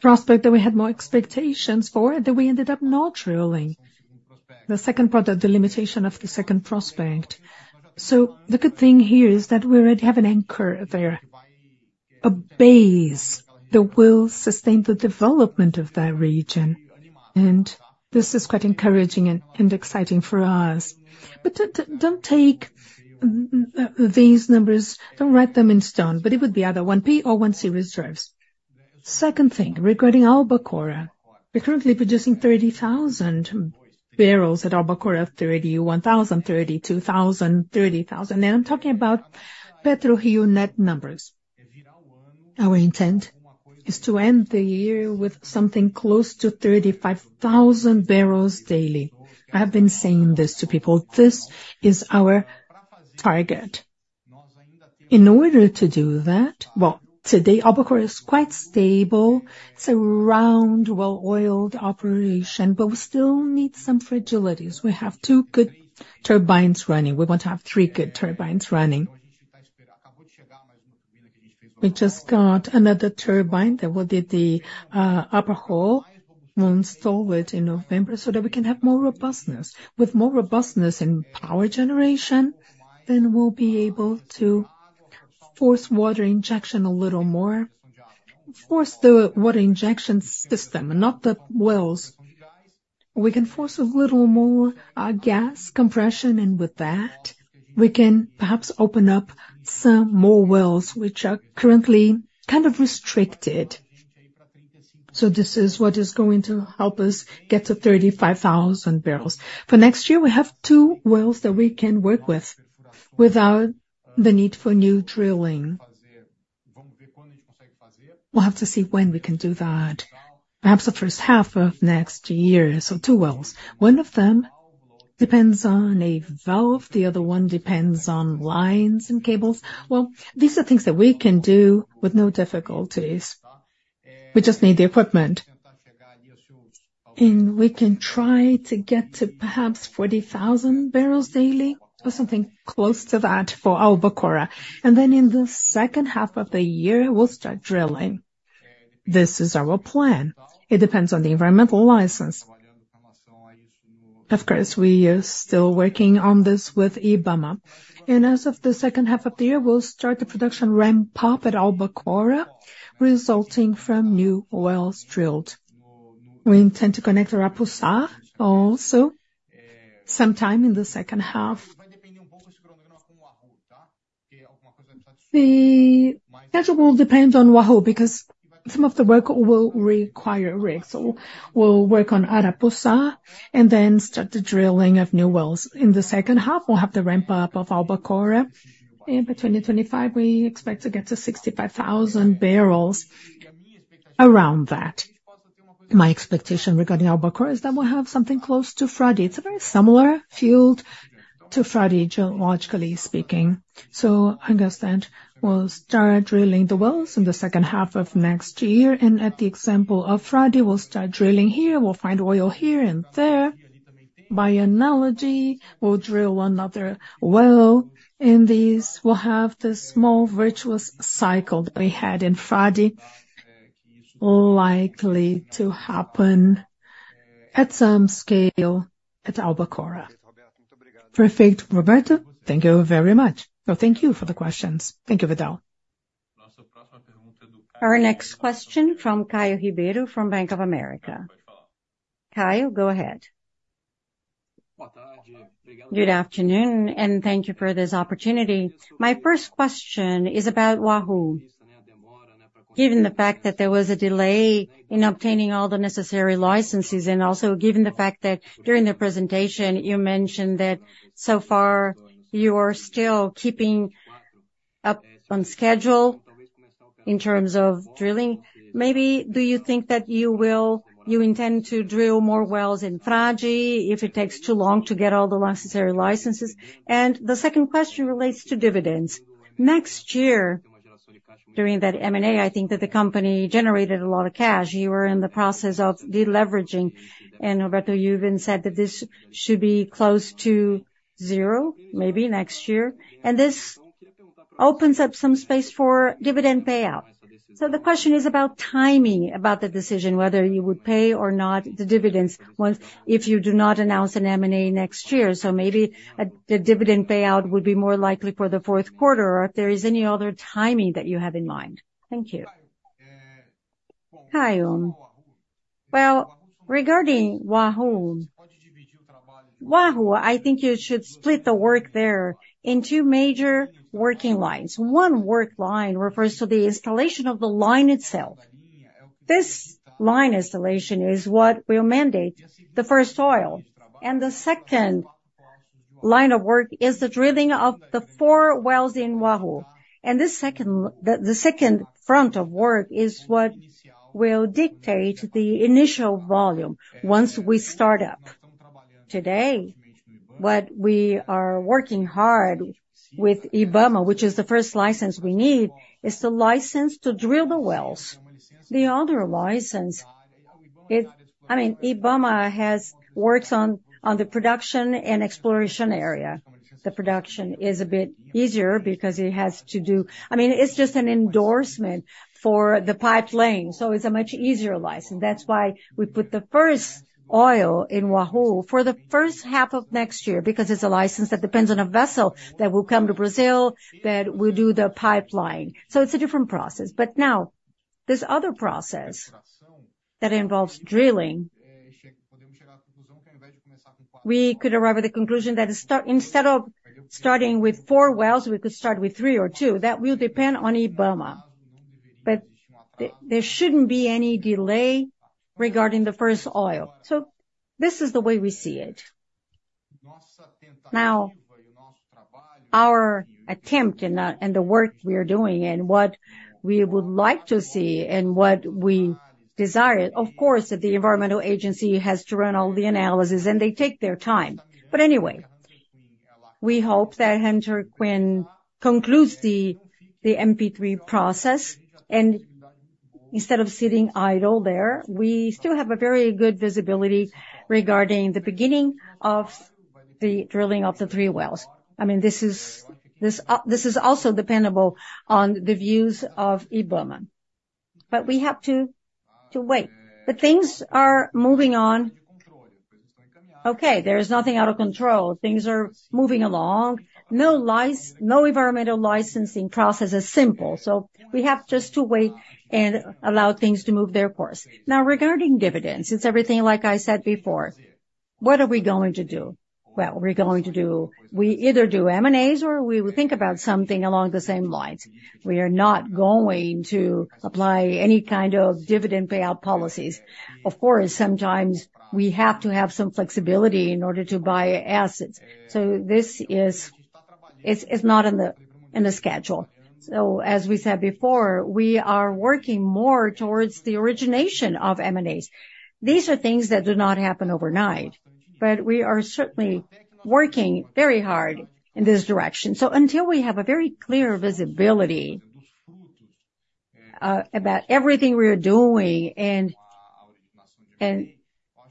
a prospect that we had more expectations for, that we ended up not drilling. The second part of the limitation of the second prospect. So the good thing here is that we already have an anchor there, a base that will sustain the development of that region... And this is quite encouraging and, and exciting for us. But don't take these numbers, don't write them in stone, but it would be either 1P or 1C reserves. Second thing, regarding Albacora, we're currently producing 30,000 barrels at Albacora, 31,000, 32,000, 30,000. Now I'm talking about PetroRio net numbers. Our intent is to end the year with something close to 35,000 barrels daily. I have been saying this to people, this is our target. In order to do that. Well, today, Albacora is quite stable, it's a round, well-oiled operation, but we still need some fragilities. We have two good turbines running, we want to have three good turbines running. We just got another turbine that will do the upper hole. We'll install it in November so that we can have more robustness. With more robustness in power generation, then we'll be able to force water injection a little more. Force the water injection system, not the wells. We can force a little more gas compression, and with that, we can perhaps open up some more wells, which are currently kind of restricted. So this is what is going to help us get to 35,000 barrels. For next year, we have two wells that we can work with, without the need for new drilling. We'll have to see when we can do that. Perhaps the H1 of next year. So two wells. One of them depends on a valve, the other one depends on lines and cables. Well, these are things that we can do with no difficulties. We just need the equipment. And we can try to get to perhaps 40,000 barrels daily, or something close to that for Albacora. And then in the H2 of the year, we'll start drilling. This is our plan. It depends on the environmental license. Of course, we are still working on this with IBAMA. As of the H2 of the year, we'll start the production ramp up at Albacora, resulting from new wells drilled. We intend to connect Arapuçá also, sometime in the H2. The schedule will depend on Wahoo, because some of the work will require rigs, so we'll work on Arapuçá, and then start the drilling of new wells. In the H2, we'll have the ramp up of Albacora. In between the 25, we expect to get to 65,000 barrels, around that. My expectation regarding Albacora is that we'll have something close to Frade. It's a very similar field to Frade, geologically speaking. I understand we'll start drilling the wells in the H2 of next year, and at the example of Frade, we'll start drilling here, we'll find oil here and there. By analogy, we'll drill one other well, and this will have the small virtuous cycle that we had in Frade, likely to happen at some scale at Albacora. Perfect, Roberto, thank you very much. Well, thank you for the questions. Thank you, Vidal. Our next question from Caio Ribeiro, from Bank of America. Caio, go ahead. Good afternoon, and thank you for this opportunity. My first question is about Anuri. Given the fact that there was a delay in obtaining all the necessary licenses, and also given the fact that during the presentation, you mentioned that so far, you are still keeping up on schedule in terms of drilling. Maybe do you think that you will- you intend to drill more wells in Frade, if it takes too long to get all the necessary licenses? And the second question relates to dividends. Next year, during that M&A, I think that the company generated a lot of cash. You were in the process of deleveraging, and Roberto, you even said that this should be close to zero, maybe next year. And this opens up some space for dividend payout. So the question is about timing, about the decision, whether you would pay or not the dividends, if you do not announce an M&A next year. So maybe the dividend payout would be more likely for the Q4, or if there is any other timing that you have in mind? Thank you. Caio, well, regarding Wahoo. Wahoo, I think you should split the work there in two major working lines. One work line refers to the installation of the line itself. This line installation is what will mandate the first oil, and the second line of work is the drilling of the four wells in Wahoo. And this second, the, the second front of work is what will dictate the initial volume once we start up. Today, what we are working hard with IBAMA, which is the first license we need, is the license to drill the wells. The other license, it... I mean, IBAMA has works on, on the production and exploration area. The production is a bit easier because it has to do... I mean, it's just an endorsement for the pipeline, so it's a much easier license. That's why we put the first oil in Wahoo for the H1 of next year, because it's a license that depends on a vessel that will come to Brazil, that will do the pipeline. So it's a different process. But now, this other process that involves drilling- ...We could arrive at the conclusion that, instead of starting with four wells, we could start with three or two. That will depend on IBAMA. But there shouldn't be any delay regarding the first oil. So this is the way we see it. Now, our attempt and the work we are doing, and what we would like to see and what we desire, of course, that the environmental agency has to run all the analysis, and they take their time. But anyway, we hope that Hunter Queen concludes the MUP-3A process, and instead of sitting idle there, we still have a very good visibility regarding the beginning of the drilling of the 3 wells. I mean, this is also dependent on the views of IBAMA. But we have to wait. But things are moving on. Okay, there is nothing out of control. Things are moving along. No environmental licensing process is simple, so we have just to wait and allow things to move their course. Now, regarding dividends, it's everything like I said before. What are we going to do? Well, we're going to do... We either do M&As or we will think about something along the same lines. We are not going to apply any kind of dividend payout policies. Of course, sometimes we have to have some flexibility in order to buy assets, so this is, it's not in the schedule. So as we said before, we are working more towards the origination of M&As. These are things that do not happen overnight, but we are certainly working very hard in this direction. So until we have a very clear visibility about everything we are doing and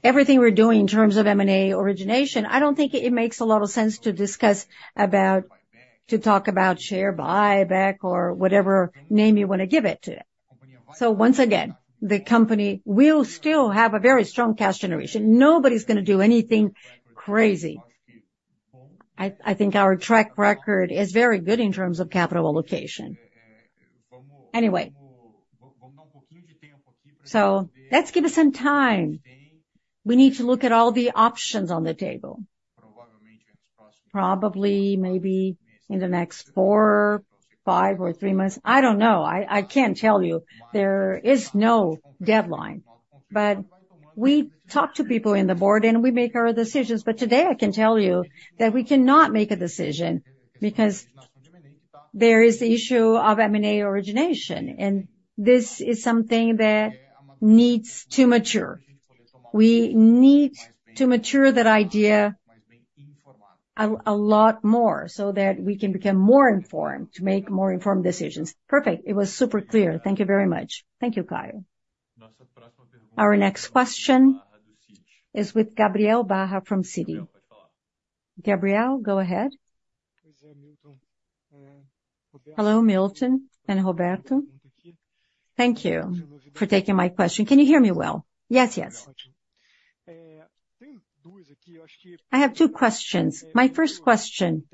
everything we're doing in terms of M&A origination, I don't think it makes a lot of sense to talk about share buyback or whatever name you want to give it to. So once again, the company will still have a very strong cash generation. Nobody's gonna do anything crazy. I think our track record is very good in terms of capital allocation. Anyway, so let's give it some time. We need to look at all the options on the table. Probably, maybe in the next 4, 5 or 3 months. I don't know. I can't tell you. There is no deadline. But we talk to people in the board, and we make our decisions. But today, I can tell you that we cannot make a decision because there is the issue of M&A origination, and this is something that needs to mature. We need to mature that idea a lot more so that we can become more informed, to make more informed decision. Perfect. It was super clear. Thank you very much. Thank you, Caio. Our next question is with Gabriel Barra from Citi. Gabriel, go ahead. Hello, Milton and Roberto. Thank you for taking my question. Can you hear me well? Yes, yes. I have two questions. My first question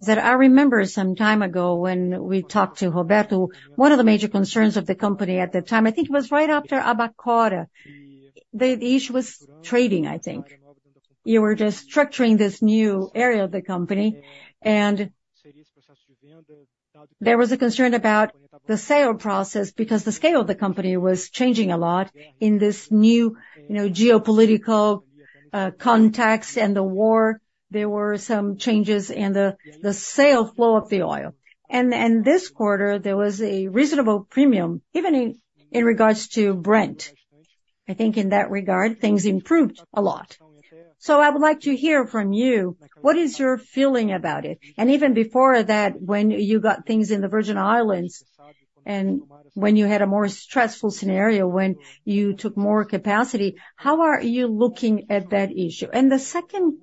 is that I remember some time ago when we talked to Roberto, one of the major concerns of the company at the time, I think it was right after Albacora, the issue was trading, I think. You were just structuring this new area of the company, and there was a concern about the sale process, because the scale of the company was changing a lot in this new, you know, geopolitical context and the war. There were some changes in the sale flow of the oil. And this quarter, there was a reasonable premium, even in regards to Brent. I think in that regard, things improved a lot. So I would like to hear from you, what is your feeling about it? And even before that, when you got things in the Virgin Islands, and when you had a more stressful scenario, when you took more capacity, how are you looking at that issue? And the second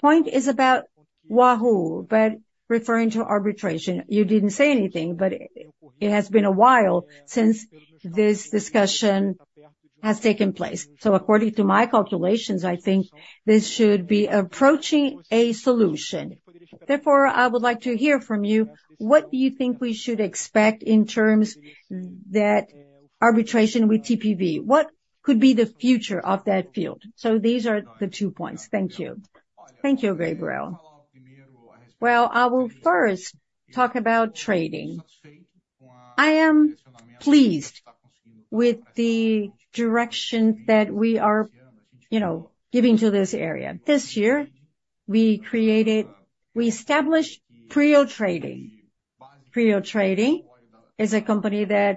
point is about Wahoo, but referring to arbitration. You didn't say anything, but it has been a while since this discussion has taken place. So according to my calculations, I think this should be approaching a solution. Therefore, I would like to hear from you, what do you think we should expect in terms that arbitration with TPV? What could be the future of that field? So these are the two points. Thank you. Thank you, Gabriel. Well, I will first talk about trading. I am pleased with the direction that we are, you know, giving to this area. This year, we created, we established PRIO Trading. PRIO Trading is a company that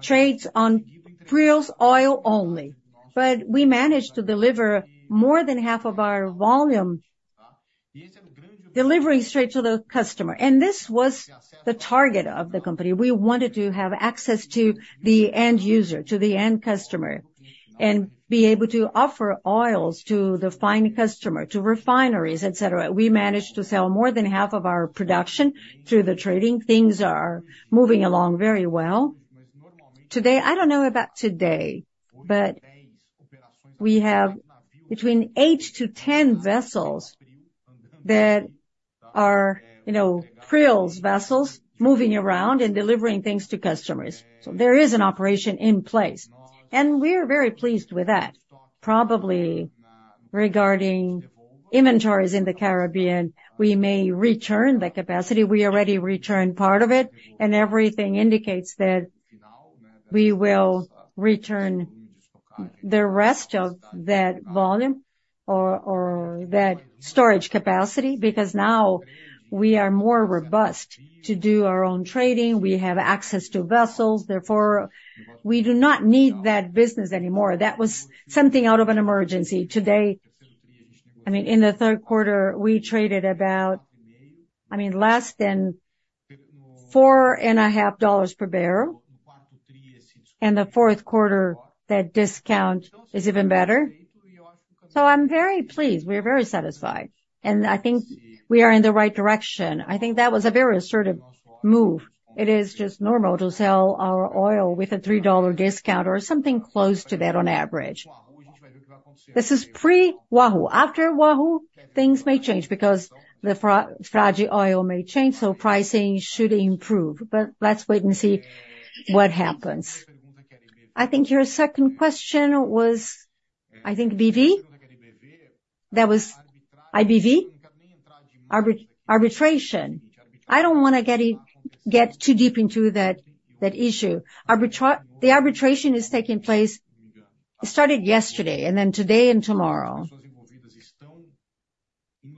trades on PRIO's oil only, but we managed to deliver more than half of our volume, delivering straight to the customer, and this was the target of the company. We wanted to have access to the end user, to the end customer, and be able to offer oils to the final customer, to refineries, etc. We managed to sell more than half of our production through the trading. Things are moving along very well. Today, I don't know about today, but we have between eight to 10 vessels that are, you know, crude vessels moving around and delivering things to customers. So there is an operation in place, and we're very pleased with that. Probably, regarding inventories in the Caribbean, we may return the capacity. We already returned part of it, and everything indicates that we will return the rest of that volume or, or that storage capacity. Because now we are more robust to do our own trading, we have access to vessels, therefore, we do not need that business anymore. That was something out of an emergency. Today, I mean, in the Q3, we traded about, I mean, less than $4.5 per barrel. The Q4, that discount is even better. So I'm very pleased. We're very satisfied, and I think we are in the right direction. I think that was a very assertive move. It is just normal to sell our oil with a $3 discount or something close to that on average. This is pre-Wahoo. After Wahoo, things may change because the Frade oil may change, so pricing should improve. But let's wait and see what happens. I think your second question was, I think, IBV? That was the IBV arbitration. I don't wanna get too deep into that issue. The arbitration is taking place. It started yesterday, and then today and tomorrow.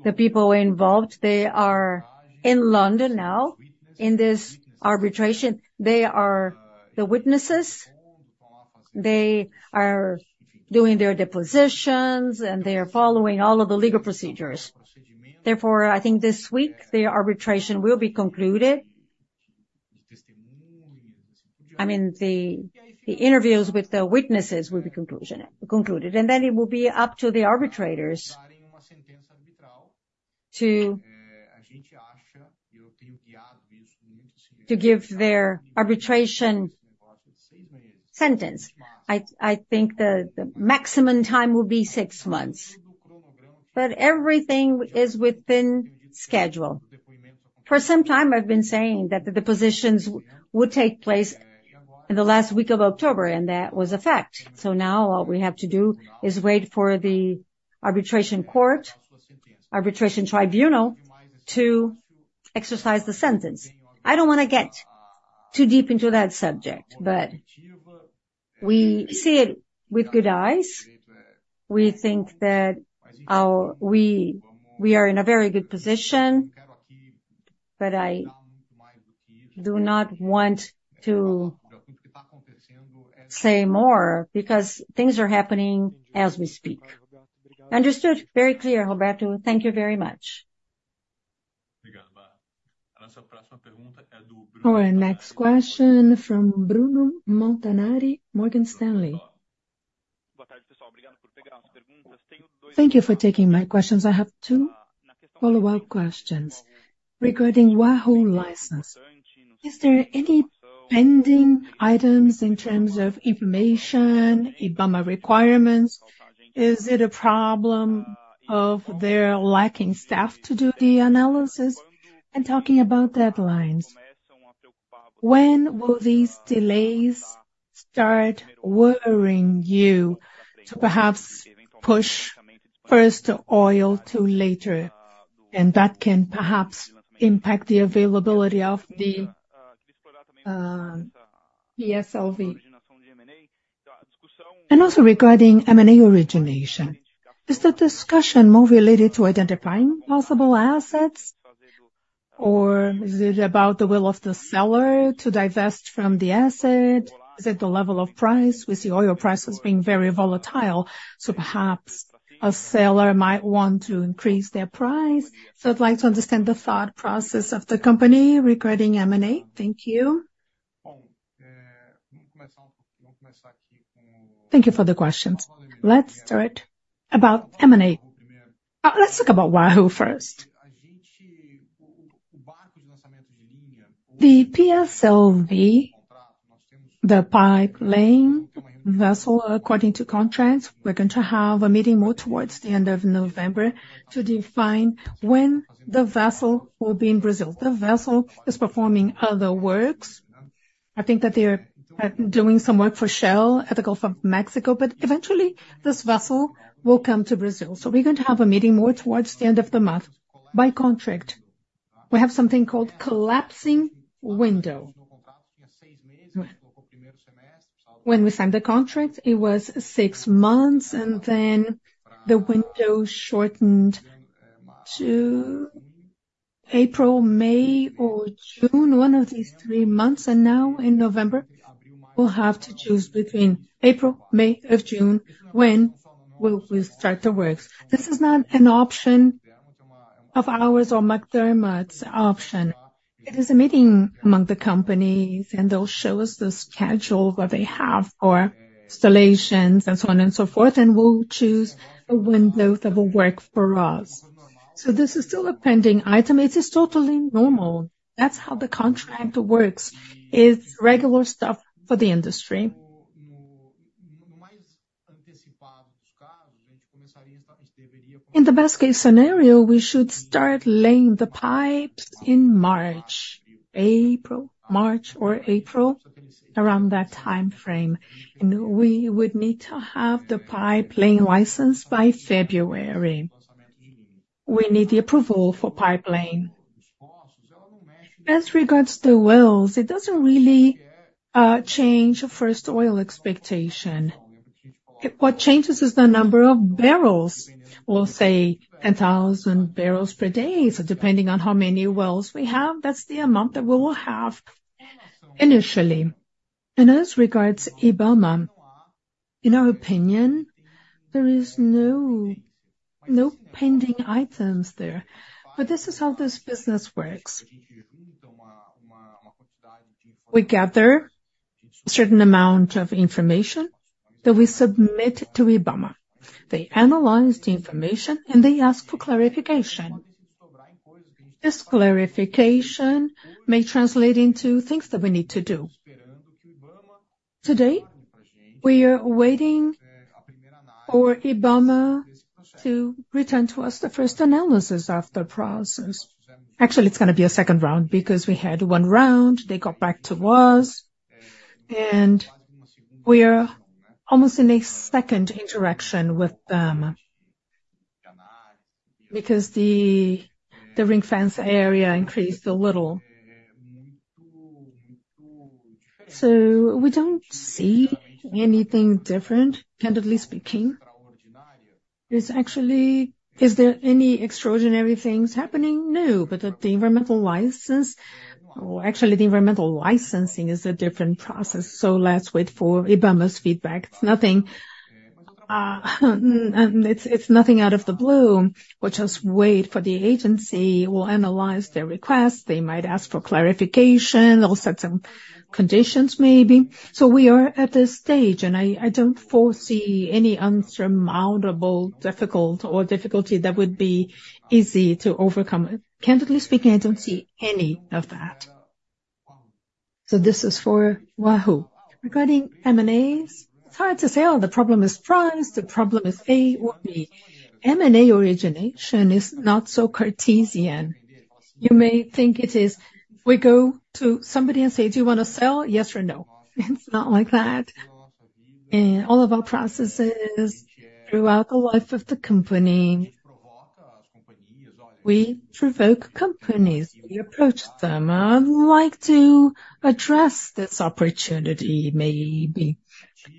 The people were involved, they are in London now, in this arbitration. They are the witnesses, they are doing their depositions, and they are following all of the legal procedures. Therefore, I think this week, the arbitration will be concluded. I mean, the interviews with the witnesses will be concluded, and then it will be up to the arbitrators to give their arbitration sentence. I think the maximum time will be six months. But everything is within schedule. For some time, I've been saying that the depositions would take place in the last week of October, and that was a fact. So now all we have to do is wait for the arbitration court, arbitration tribunal, to exercise the sentence. I don't wanna get too deep into that subject, but we see it with good eyes. We think that our, we are in a very good position, but I do not want to say more because things are happening as we speak. Understood. Very clear, Roberto. Thank you very much. Our next question from Bruno Montanari, Morgan Stanley. Thank you for taking my questions. I have two follow-up questions. Regarding Wahoo license, is there any pending items in terms of information, IBAMA requirements? Is it a problem of their lacking staff to do the analysis? And talking about deadlines, when will these delays start worrying you to perhaps push first oil to later, and that can perhaps impact the availability of the, the SLV? And also regarding M&A origination, is the discussion more related to identifying possible assets, or is it about the will of the seller to divest from the asset? Is it the level of price, with the oil prices being very volatile, so perhaps a seller might want to increase their price? So I'd like to understand the thought process of the company regarding M&A. Thank you. Thank you for the questions. Let's start about M&A. Let's talk about Wahoo first. The PLSV, the pipe laying vessel, according to contracts, we're going to have a meeting more towards the end of November to define when the vessel will be in Brazil. The vessel is performing other works. I think that they are doing some work for Shell at the Gulf of Mexico, but eventually, this vessel will come to Brazil. So we're going to have a meeting more towards the end of the month. By contract, we have something called collapsing window. When we signed the contract, it was six months, and then the window shortened to April, May, or June, one of these three months, and now in November, we'll have to choose between April, May, or June, when will we start the works. This is not an option of ours or McDermott's option. It is a meeting among the companies, and they'll show us the schedule that they have for installations and so on and so forth, and we'll choose a window that will work for us. This is still a pending item. It is totally normal. That's how the contract works. It's regular stuff for the industry. In the best case scenario, we should start laying the pipes in March, April, March or April, around that time frame. We would need to have the pipe laying license by February. We need the approval for pipe laying. As regards the wells, it doesn't really change first oil expectation. What changes is the number of barrels, or say, 10,000 barrels per day. So depending on how many wells we have, that's the amount that we will have initially. As regards IBAMA, in our opinion, there is no pending items there. But this is how this business works. We gather a certain amount of information that we submit to IBAMA. They analyze the information, and they ask for clarification. This clarification may translate into things that we need to do. Today, we are waiting for IBAMA to return to us the first analysis of the process. Actually, it's gonna be a second round, because we had one round, they got back to us, and we are almost in a second interaction with them, because the ring-fence area increased a little. So we don't see anything different, candidly speaking. There's actually. Is there any extraordinary things happening? No, but the environmental license or actually the environmental licensing is a different process, so let's wait for IBAMA's feedback. It's nothing, it's nothing out of the blue. We'll just wait for the agency will analyze their request. They might ask for clarification or set some conditions, maybe. So we are at this stage, and I don't foresee any insurmountable, difficult or difficulty that would be easy to overcome. Candidly speaking, I don't see any of that. So this is for Wahoo. Regarding M&As, it's hard to say, "Oh, the problem is price, the problem is A or B." M&A origination is not so Cartesian. You may think it is. We go to somebody and say, "Do you wanna sell, yes or no?" It's not like that. In all of our processes, throughout the life of the company, we provoke companies. We approach them. I'd like to address this opportunity, maybe,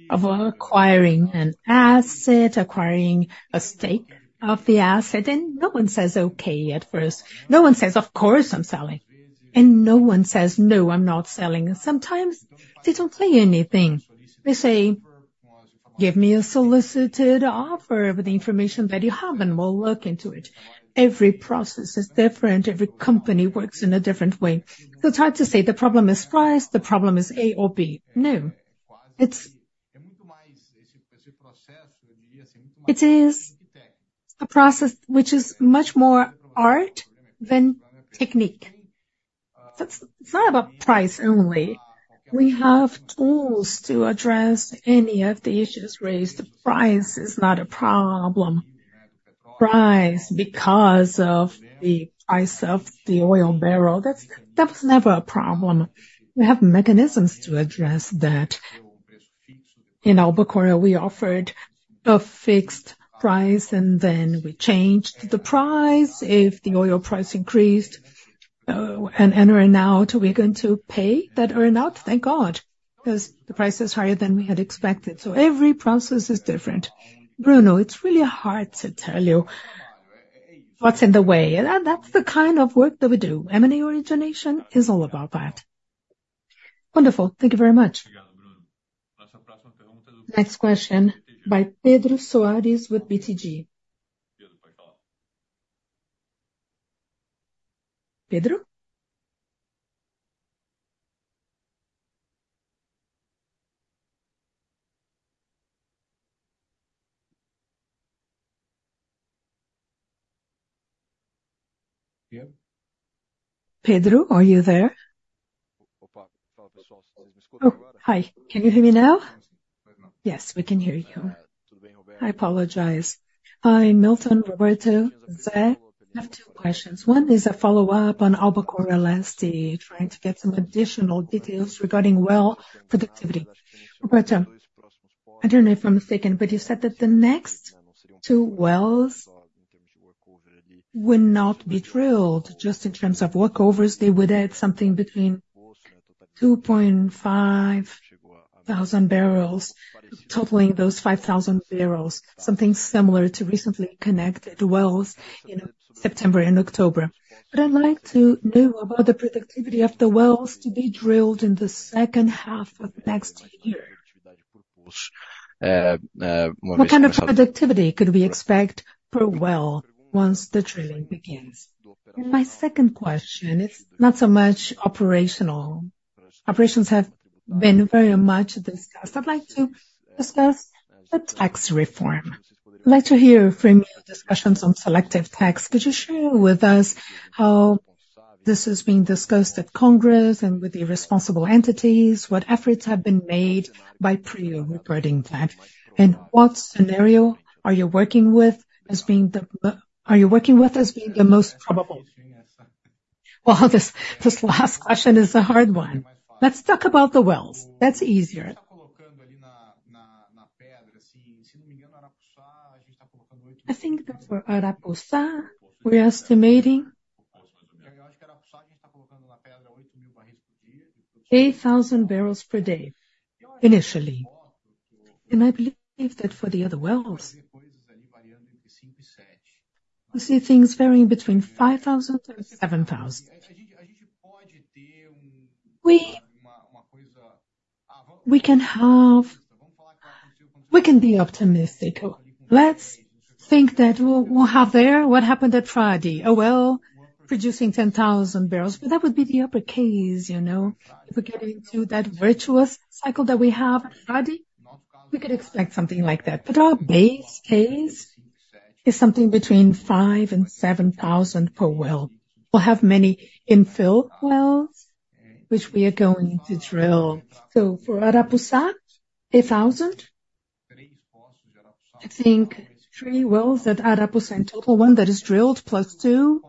of acquiring an asset, acquiring a stake of the asset, and no one says, "Okay" at first. No one says, "Of course, I'm selling." And no one says, "No, I'm not selling." Sometimes they don't say anything. They say, "Give me a solicited offer with the information that you have, and we'll look into it." Every process is different. Every company works in a different way. So it's hard to say the problem is price, the problem is A or B. No, it's. It is a process which is much more art than technique. That's. It's not about price only. We have tools to address any of the issues raised. The price is not a problem. Price, because of the price of the oil barrel, that's, that was never a problem. We have mechanisms to address that. In Albacora, we offered a fixed price, and then we changed the price if the oil price increased. And, and right now, we're going to pay that earn-out, thank God, because the price is higher than we had expected. So every process is different. Bruno, it's really hard to tell you what's in the way. That, that's the kind of work that we do. M&A origination is all about that. Wonderful. Thank you very much. Next question by Pedro Soares with BTG. Pedro? Pedro, are you there? Oh, hi. Can you hear me now? Yes, we can hear you. I apologize. Hi, Milton, Roberto, Zé, I have two questions. One is a follow-up on Albacora Leste, trying to get some additional details regarding well productivity. Roberto, I don't know if I'm mistaken, but you said that the next two wells will not be drilled just in terms of workovers. They would add something between 2.5 thousand barrels, totaling those five thousand barrels, something similar to recently connected wells in September and October. But I'd like to know about the productivity of the wells to be drilled in the H2 of next year. What kind of productivity could we expect per well once the drilling begins? And my second question, it's not so much operational. Operations have been very much discussed. I'd like to discuss the tax reform. I'd like to hear from your discussions on selective tax. Could you share with us how-... This has been discussed at Congress and with the responsible entities. What efforts have been made by PRIO regarding that? And what scenario are you working with as being the, are you working with as being the most probable? Well, this, this last question is a hard one. Let's talk about the wells. That's easier. I think that for Arapuçá, we're estimating... 8,000 barrels per day, initially. And I believe that for the other wells- We see things varying between 5,000 and 7,000. We, we can have-- We can be optimistic. Let's think that we'll, we'll have there what happened at Frade, a well producing 10,000 barrels, but that would be the upside case, you know. If we get into that virtuous cycle that we have at Frade, we could expect something like that. But our base case is something between 5,000 and 7,000 per well. We'll have many infill wells, which we are going to drill. So for Arapuçá, 1,000. I think three wells at Arapuçá, and total one that is drilled, plus two.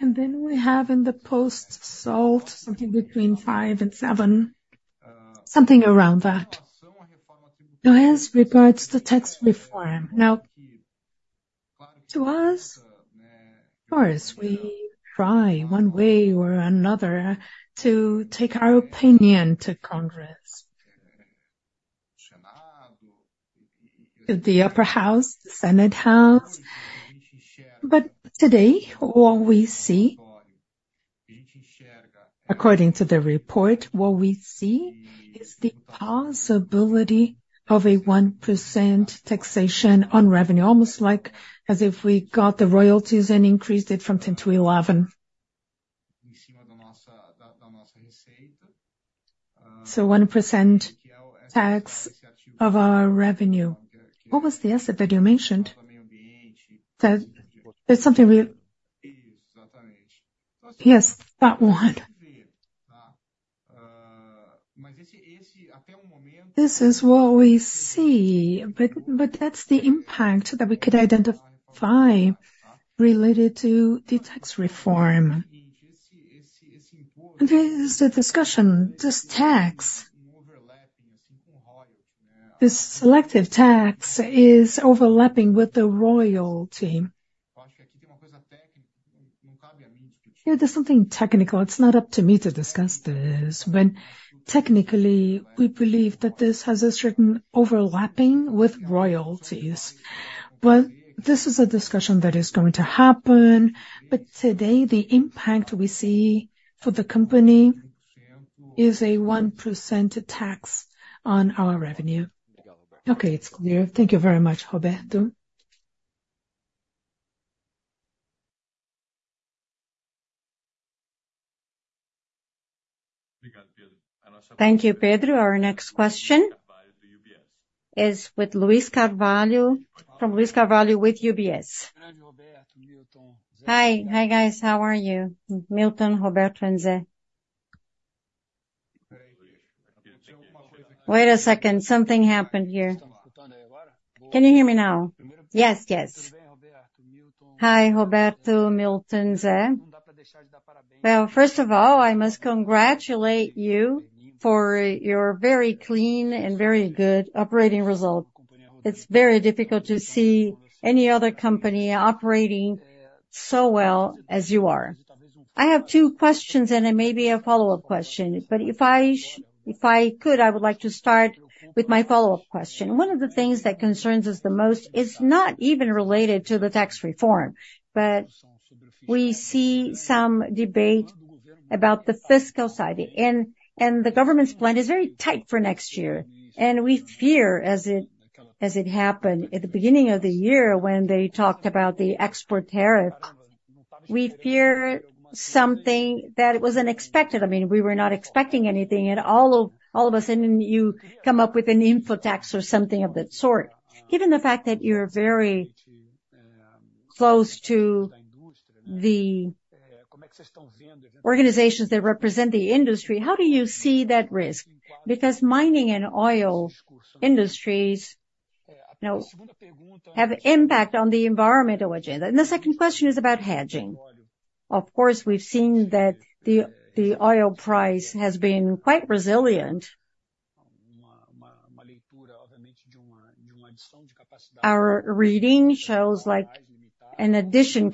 And then we have in the post-salt, something between 5 and 7, something around that. Now, as regards to tax reform. Now, to us, of course, we try one way or another to take our opinion to Congress. To the upper house, the Senate house. But today, what we see... According to the report, what we see is the possibility of a 1% taxation on revenue, almost like as if we got the royalties and increased it from 10 to 11. So 1% tax of our revenue. What was the asset that you mentioned? Yes, that one. This is what we see, but, but that's the impact that we could identify related to the tax reform. And there is a discussion. This selective tax is overlapping with the royalty. Yeah, there's something technical. It's not up to me to discuss this. When technically, we believe that this has a certain overlapping with royalties. Well, this is a discussion that is going to happen, but today, the impact we see for the company is a 1% tax on our revenue. Okay, it's clear. Thank you very much, Roberto. Thank you, Pedro. Our next question is with Luiz Carvalho from UBS. Hi. Hi, guys. How are you, Milton, Roberto and Ze? Wait a second, something happened here. Can you hear me now? Yes, yes. Hi, Roberto, Milton, Ze. Well, first of all, I must congratulate you for your very clean and very good operating result. It's very difficult to see any other company operating so well as you are. I have two questions, and then maybe a follow-up question. But if I could, I would like to start with my follow-up question. One of the things that concerns us the most is not even related to the tax reform, but we see some debate about the fiscal side. And the government's plan is very tight for next year, and we fear, as it happened at the beginning of the year when they talked about the export tariff, we fear something that it was unexpected. I mean, we were not expecting anything, and all of, all of a sudden, you come up with an info tax or something of that sort. Given the fact that you're very close to the organizations that represent the industry, how do you see that risk? Because mining and oil industries, you know, have impact on the environmental agenda. And the second question is about hedging. Of course, we've seen that the oil price has been quite resilient. Our reading shows like an additional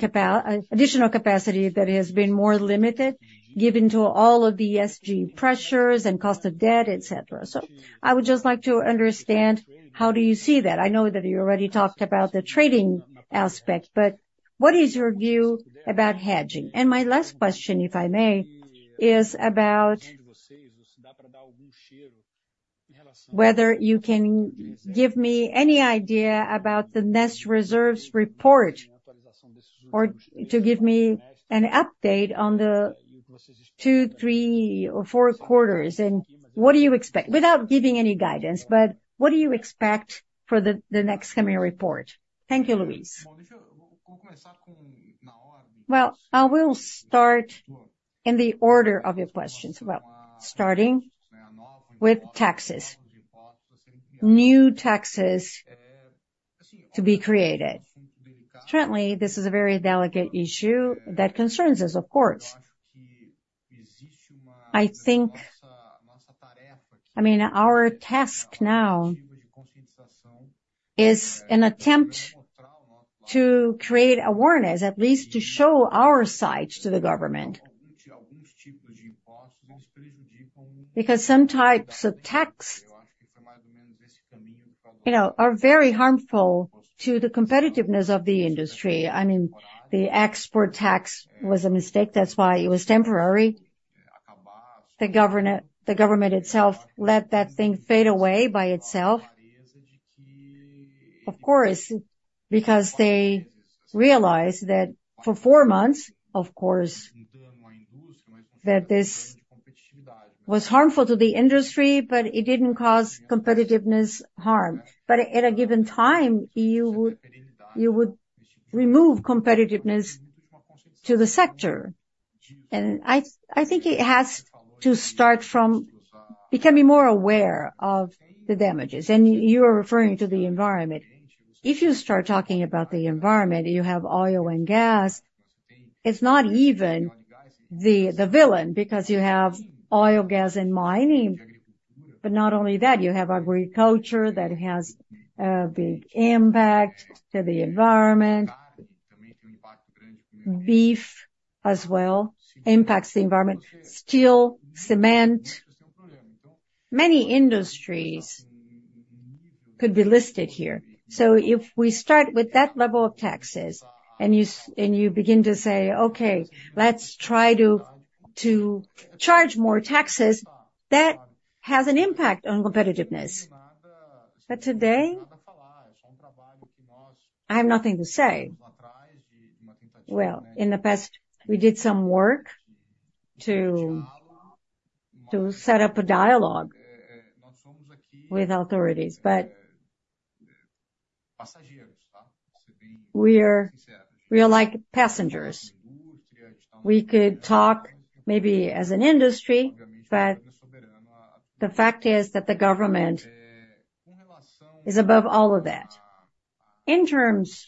capacity that has been more limited, given all of the ESG pressures and cost of debt, etc. So I would just like to understand, how do you see that? I know that you already talked about the trading aspect, but what is your view about hedging? And my last question, if I may, is about... Whether you can give me any idea about the next reserves report, or to give me an update on the two, three, or four quarters, and what do you expect? Without giving any guidance, but what do you expect for the next coming report? Thank you, Luis. Well, I will start in the order of your questions. Well, starting with taxes. New taxes to be created. Certainly, this is a very delicate issue that concerns us, of course. I think, I mean, our task now is an attempt to create awareness, at least to show our side to the government. Because some types of tax, you know, are very harmful to the competitiveness of the industry. I mean, the export tax was a mistake, that's why it was temporary. The government itself let that thing fade away by itself. Of course, because they realized that for four months, of course, that this was harmful to the industry, but it didn't cause competitiveness harm. But at a given time, you would, you would remove competitiveness to the sector. And I, I think it has to start from becoming more aware of the damages. And you are referring to the environment. If you start talking about the environment, you have oil and gas, it's not even the, the villain, because you have oil, gas, and mining. But not only that, you have agriculture that has big impact to the environment. Beef as well, impacts the environment. Steel, cement, many industries could be listed here. So if we start with that level of taxes, and you begin to say, "Okay, let's try to, to charge more taxes," that has an impact on competitiveness. But today, I have nothing to say. Well, in the past, we did some work to set up a dialogue with authorities, but... We're like passengers. We could talk maybe as an industry, but the fact is that the government is above all of that. In terms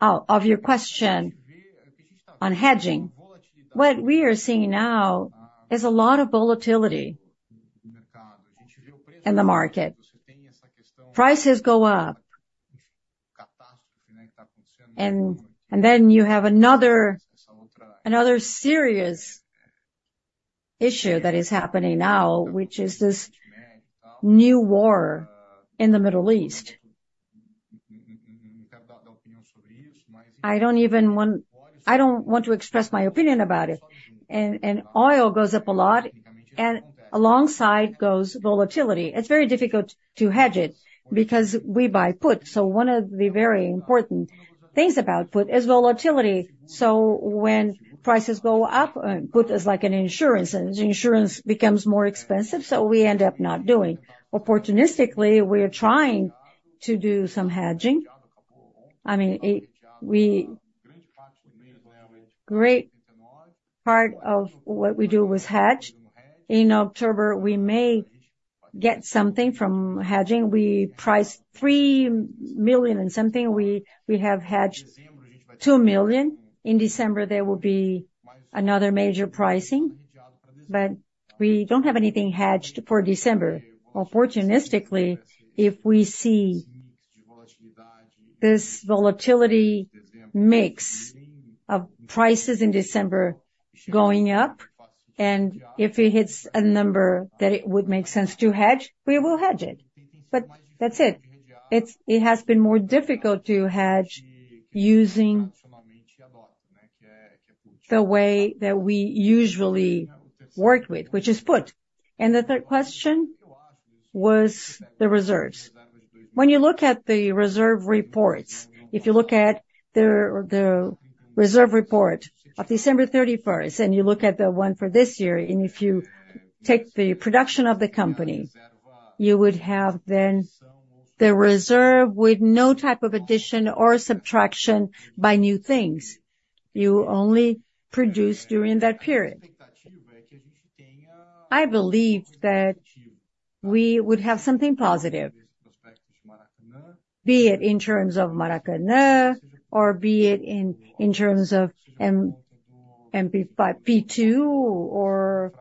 of your question on hedging, what we are seeing now is a lot of volatility in the market. Prices go up, and then you have another serious issue that is happening now, which is this new war in the Middle East. I don't want to express my opinion about it. And oil goes up a lot, and alongside goes volatility. It's very difficult to hedge it because we buy put, so one of the very important things about put is volatility. So when prices go up, put is like an insurance, and the insurance becomes more expensive, so we end up not doing. Opportunistically, we are trying to do some hedging. I mean, great part of what we do is hedge. In October, we may get something from hedging. We priced 3 million and something, we have hedged 2 million. In December, there will be another major pricing, but we don't have anything hedged for December. Opportunistically, if we see this volatility mix of prices in December going up, and if it hits a number that it would make sense to hedge, we will hedge it. But that's it. It has been more difficult to hedge using the way that we usually work with, which is put. And the third question was the reserves. When you look at the reserve reports, if you look at the reserve report of December 31st, and you look at the one for this year, and if you take the production of the company, you would have then the reserve with no type of addition or subtraction by new things. You only produced during that period. I believe that we would have something positive, be it in terms of Maracanã or be it in terms of MP-5, P2, or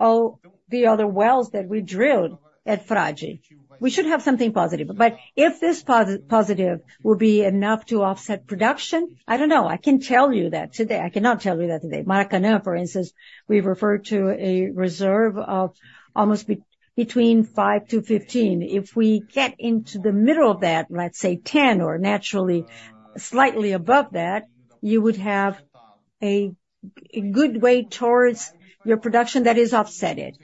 all the other wells that we drilled at Frade. We should have something positive, but if this positive will be enough to offset production? I don't know. I can tell you that today. I cannot tell you that today. Maracanã, for instance, we've referred to a reserve of almost between five to 15. If we get into the middle of that, let's say 10, or naturally slightly above that, you would have a good way towards your production that is offset.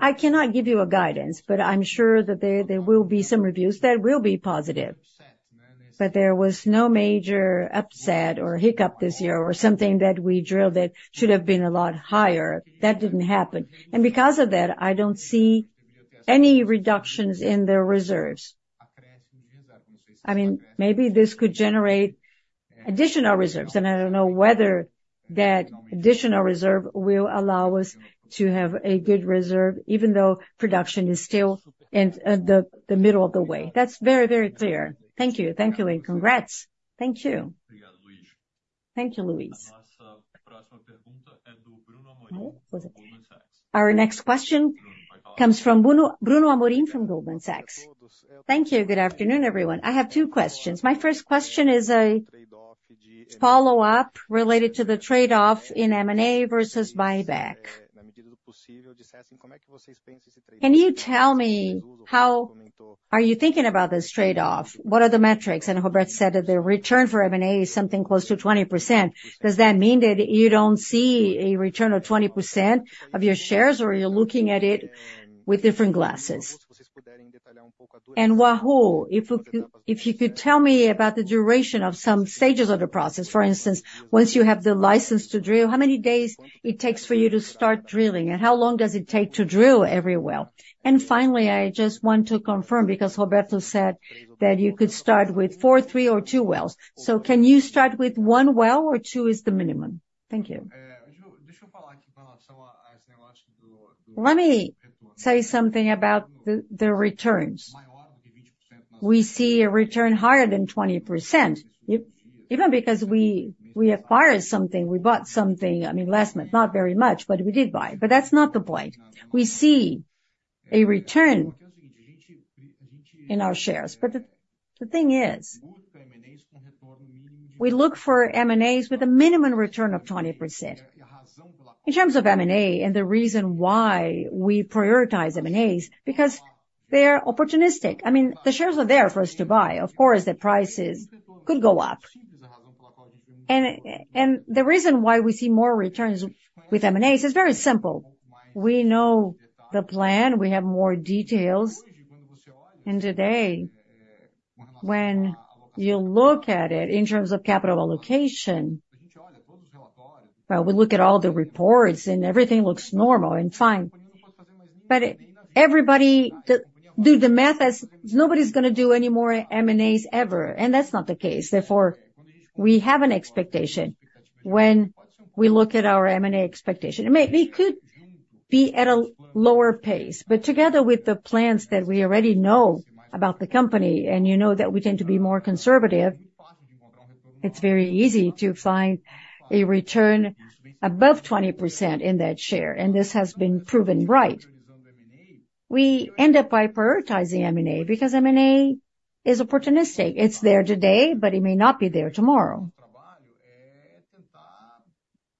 I cannot give you a guidance, but I'm sure that there, there will be some reviews that will be positive. But there was no major upset or hiccup this year, or something that we drilled that should have been a lot higher. That didn't happen. And because of that, I don't see any reductions in the reserves. I mean, maybe this could generate additional reserves, and I don't know whether that additional reserve will allow us to have a good reserve, even though production is still in the middle of the way. That's very, very clear. Thank you. Thank you, and congrats. Thank you. Thank you, Luis. Our next question comes from Bruno Amorim from Goldman Sachs. Thank you. Good afternoon, everyone. I have two questions: My first question is a follow-up related to the trade-off in M&A versus buyback. Can you tell me, how are you thinking about this trade-off? What are the metrics? And Roberto said that the return for M&A is something close to 20%. Does that mean that you don't see a return of 20% of your shares, or you're looking at it with different glasses? And Wahoo, if you could tell me about the duration of some stages of the process. For instance, once you have the license to drill, how many days it takes for you to start drilling, and how long does it take to drill every well? And finally, I just want to confirm, because Roberto said that you could start with 4, 3, or 2 wells. So can you start with one well, or two is the minimum? Thank you. Let me say something about the returns. We see a return higher than 20%, even because we acquired something, we bought something, I mean, last month, not very much, but we did buy it. But that's not the point. We see a return in our shares, but the thing is, we look for M&As with a minimum return of 20%. In terms of M&A, and the reason why we prioritize M&As, because they are opportunistic. I mean, the shares are there for us to buy. Of course, the prices could go up. And the reason why we see more returns with M&As is very simple. We know the plan, we have more details. Today, when you look at it in terms of capital allocation, we look at all the reports and everything looks normal and fine. But everybody... Do the math as nobody's gonna do any more M&As ever, and that's not the case. Therefore, we have an expectation when we look at our M&A expectation. It may, we could be at a lower pace, but together with the plans that we already know about the company, and you know that we tend to be more conservative, it's very easy to find a return above 20% in that share, and this has been proven right. We end up by prioritizing M&A, because M&A is opportunistic. It's there today, but it may not be there tomorrow.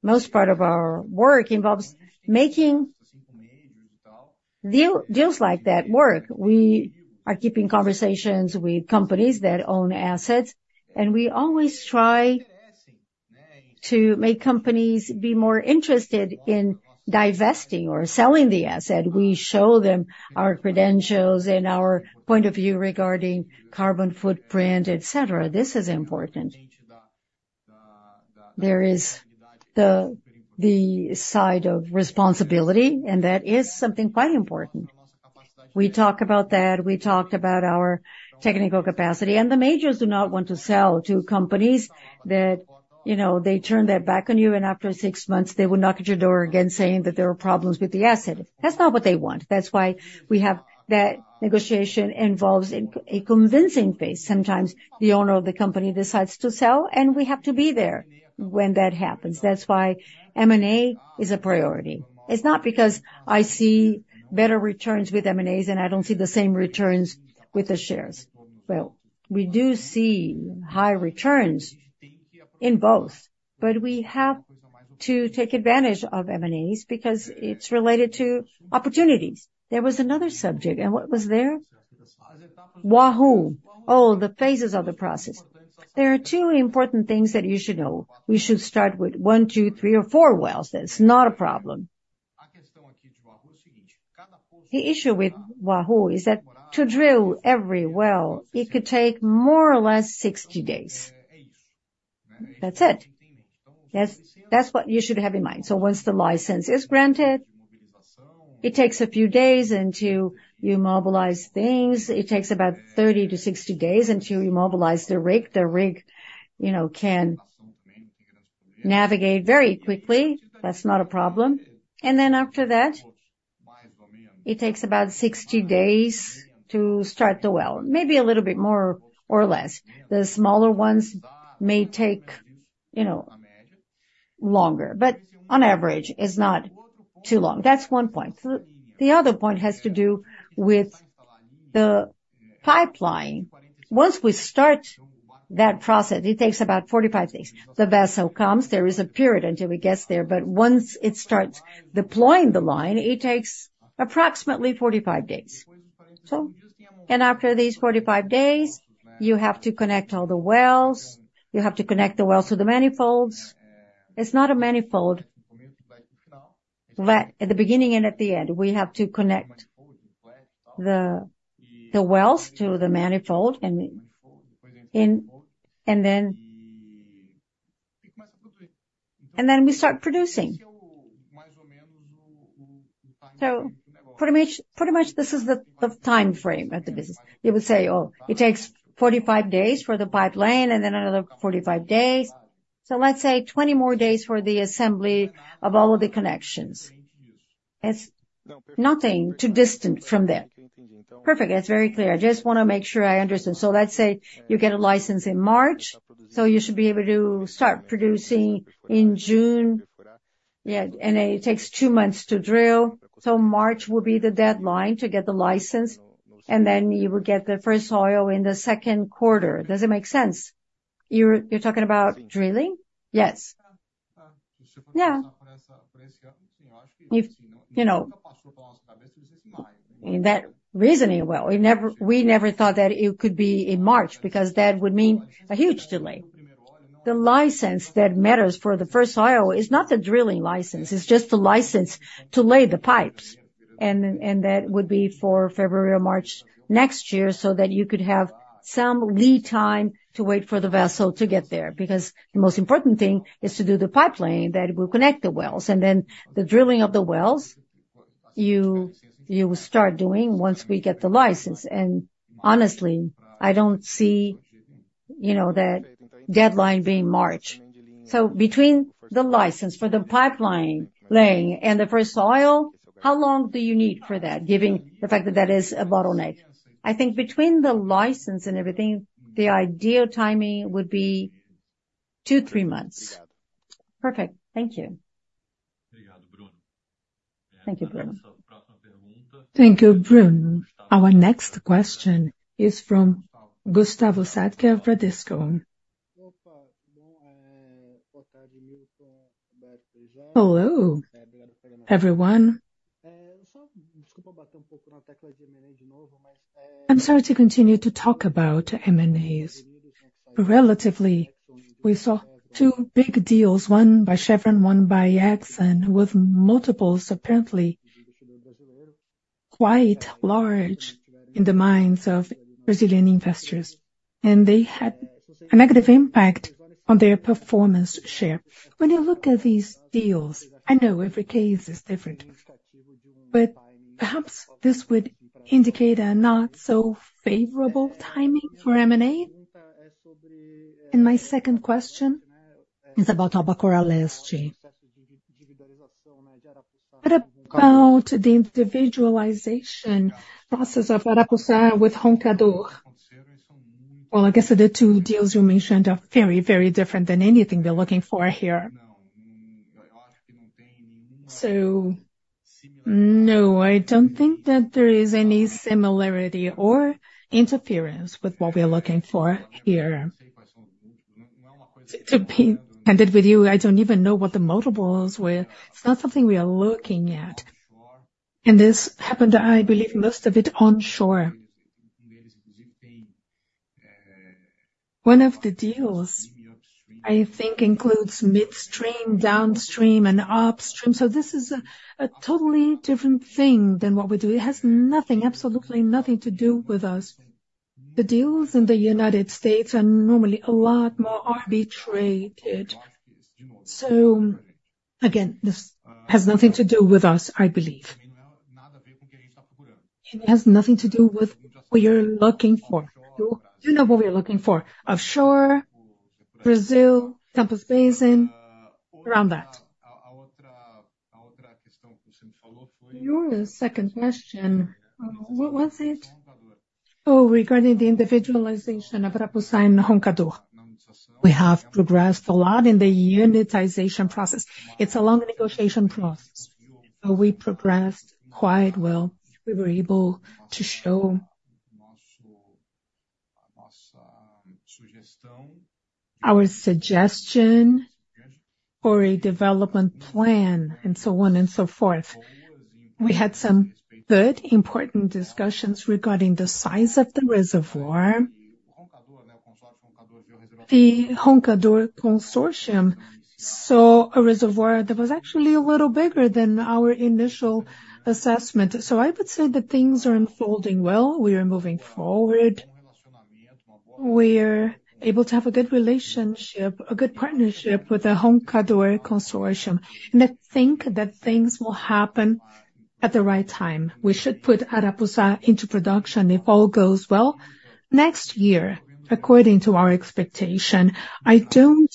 Most part of our work involves making deal, deals like that work. We are keeping conversations with companies that own assets, and we always try to make companies be more interested in divesting or selling the asset. We show them our credentials and our point of view regarding carbon footprint, etc. This is important. There is the side of responsibility, and that is something quite important. We talk about that, we talked about our technical capacity, and the majors do not want to sell to companies that, you know, they turn their back on you, and after six months, they will knock at your door again, saying that there are problems with the asset. That's not what they want. That's why we have... That negotiation involves a convincing phase. Sometimes the owner of the company decides to sell, and we have to be there when that happens. That's why M&A is a priority. It's not because I see better returns with M&As, and I don't see the same returns with the shares. Well, we do see high returns in both, but we have to take advantage of M&As because it's related to opportunities. There was another subject, and what was there? Wahoo. Oh, the phases of the process. There are two important things that you should know. We should start with one, two, three, or four wells. That's not a problem. The issue with Wahoo is that to drill every well, it could take more or less 60 days. That's it. Yes, that's what you should have in mind. So once the license is granted, it takes a few days until you mobilize things. It takes about 30-60 days until you mobilize the rig. The rig, you know, can navigate very quickly. That's not a problem. Then after that, it takes about 60 days to start the well, maybe a little bit more or less. The smaller ones may take, you know, longer, but on average, it's not too long. That's one point. The other point has to do with the pipeline. Once we start that process, it takes about 45 days. The vessel comes, there is a period until it gets there, but once it starts deploying the line, it takes approximately 45 days.... So after these 45 days, you have to connect all the wells. You have to connect the wells to the manifolds. It's not a manifold, but at the beginning and at the end, we have to connect the wells to the manifold and then we start producing. So pretty much this is the time frame of the business. You would say, "Oh, it takes 45 days for the pipeline and then another 45 days." So let's say 20 more days for the assembly of all of the connections. It's nothing too distant from that. Perfect. That's very clear. I just wanna make sure I understand. So let's say you get a license in March, so you should be able to start producing in June. Yeah, and it takes two months to drill, so March will be the deadline to get the license, and then you will get the first oil in the Q2. Does it make sense? You're talking about drilling? Yes. Yeah. If, you know, in that reasoning, well, we never thought that it could be in March, because that would mean a huge delay. The license that matters for the first oil is not the drilling license. It's just the license to lay the pipes. And then that would be for February or March next year, so that you could have some lead time to wait for the vessel to get there. Because the most important thing is to do the pipeline that will connect the wells, and then the drilling of the wells you start doing once we get the license. And honestly, I don't see, you know, that deadline being March. So between the license for the pipeline laying and the first oil, how long do you need for that, given the fact that that is a bottleneck? I think between the license and everything, the ideal timing would be two to three months. Perfect. Thank you. Thank you, Bruno. Thank you, Bruno. Our next question is from Gustavo Sadka of Bradesco. Hello, everyone. I'm sorry to continue to talk about M&As. Relatively, we saw two big deals, one by Chevron, one by Exxon, with multiples, apparently quite large in the minds of Brazilian investors, and they had a negative impact on their performance share. When you look at these deals, I know every case is different, but perhaps this would indicate a not so favorable timing for M&A? And my second question is about Albacora Leste. What about the individualization process of Arapuçá with Roncador? Well, I guess the two deals you mentioned are very, very different than anything we're looking for here. So no, I don't think that there is any similarity or interference with what we are looking for here. To be candid with you, I don't even know what the multiples were. It's not something we are looking at, and this happened, I believe, most of it onshore. One of the deals, I think, includes midstream, downstream, and upstream, so this is a, a totally different thing than what we do. It has nothing, absolutely nothing to do with us. The deals in the United States are normally a lot more arbitrated. So again, this has nothing to do with us, I believe. It has nothing to do with what you're looking for? You know what we're looking for: offshore, Brazil, Campos Basin, around that. Your second question, what was it? Oh, regarding the individualization of Arapuçá and Roncador. We have progressed a lot in the unitization process. It's a long negotiation process, but we progressed quite well. We were able to show our suggestion for a development plan and so on and so forth. We had some good, important discussions regarding the size of the reservoir. The Roncador Consortium saw a reservoir that was actually a little bigger than our initial assessment. So I would say that things are unfolding well. We are moving forward. We're able to have a good relationship, a good partnership with the Roncador Consortium, and I think that things will happen at the right time. We should put Arapuçá into production, if all goes well, next year, according to our expectation. I don't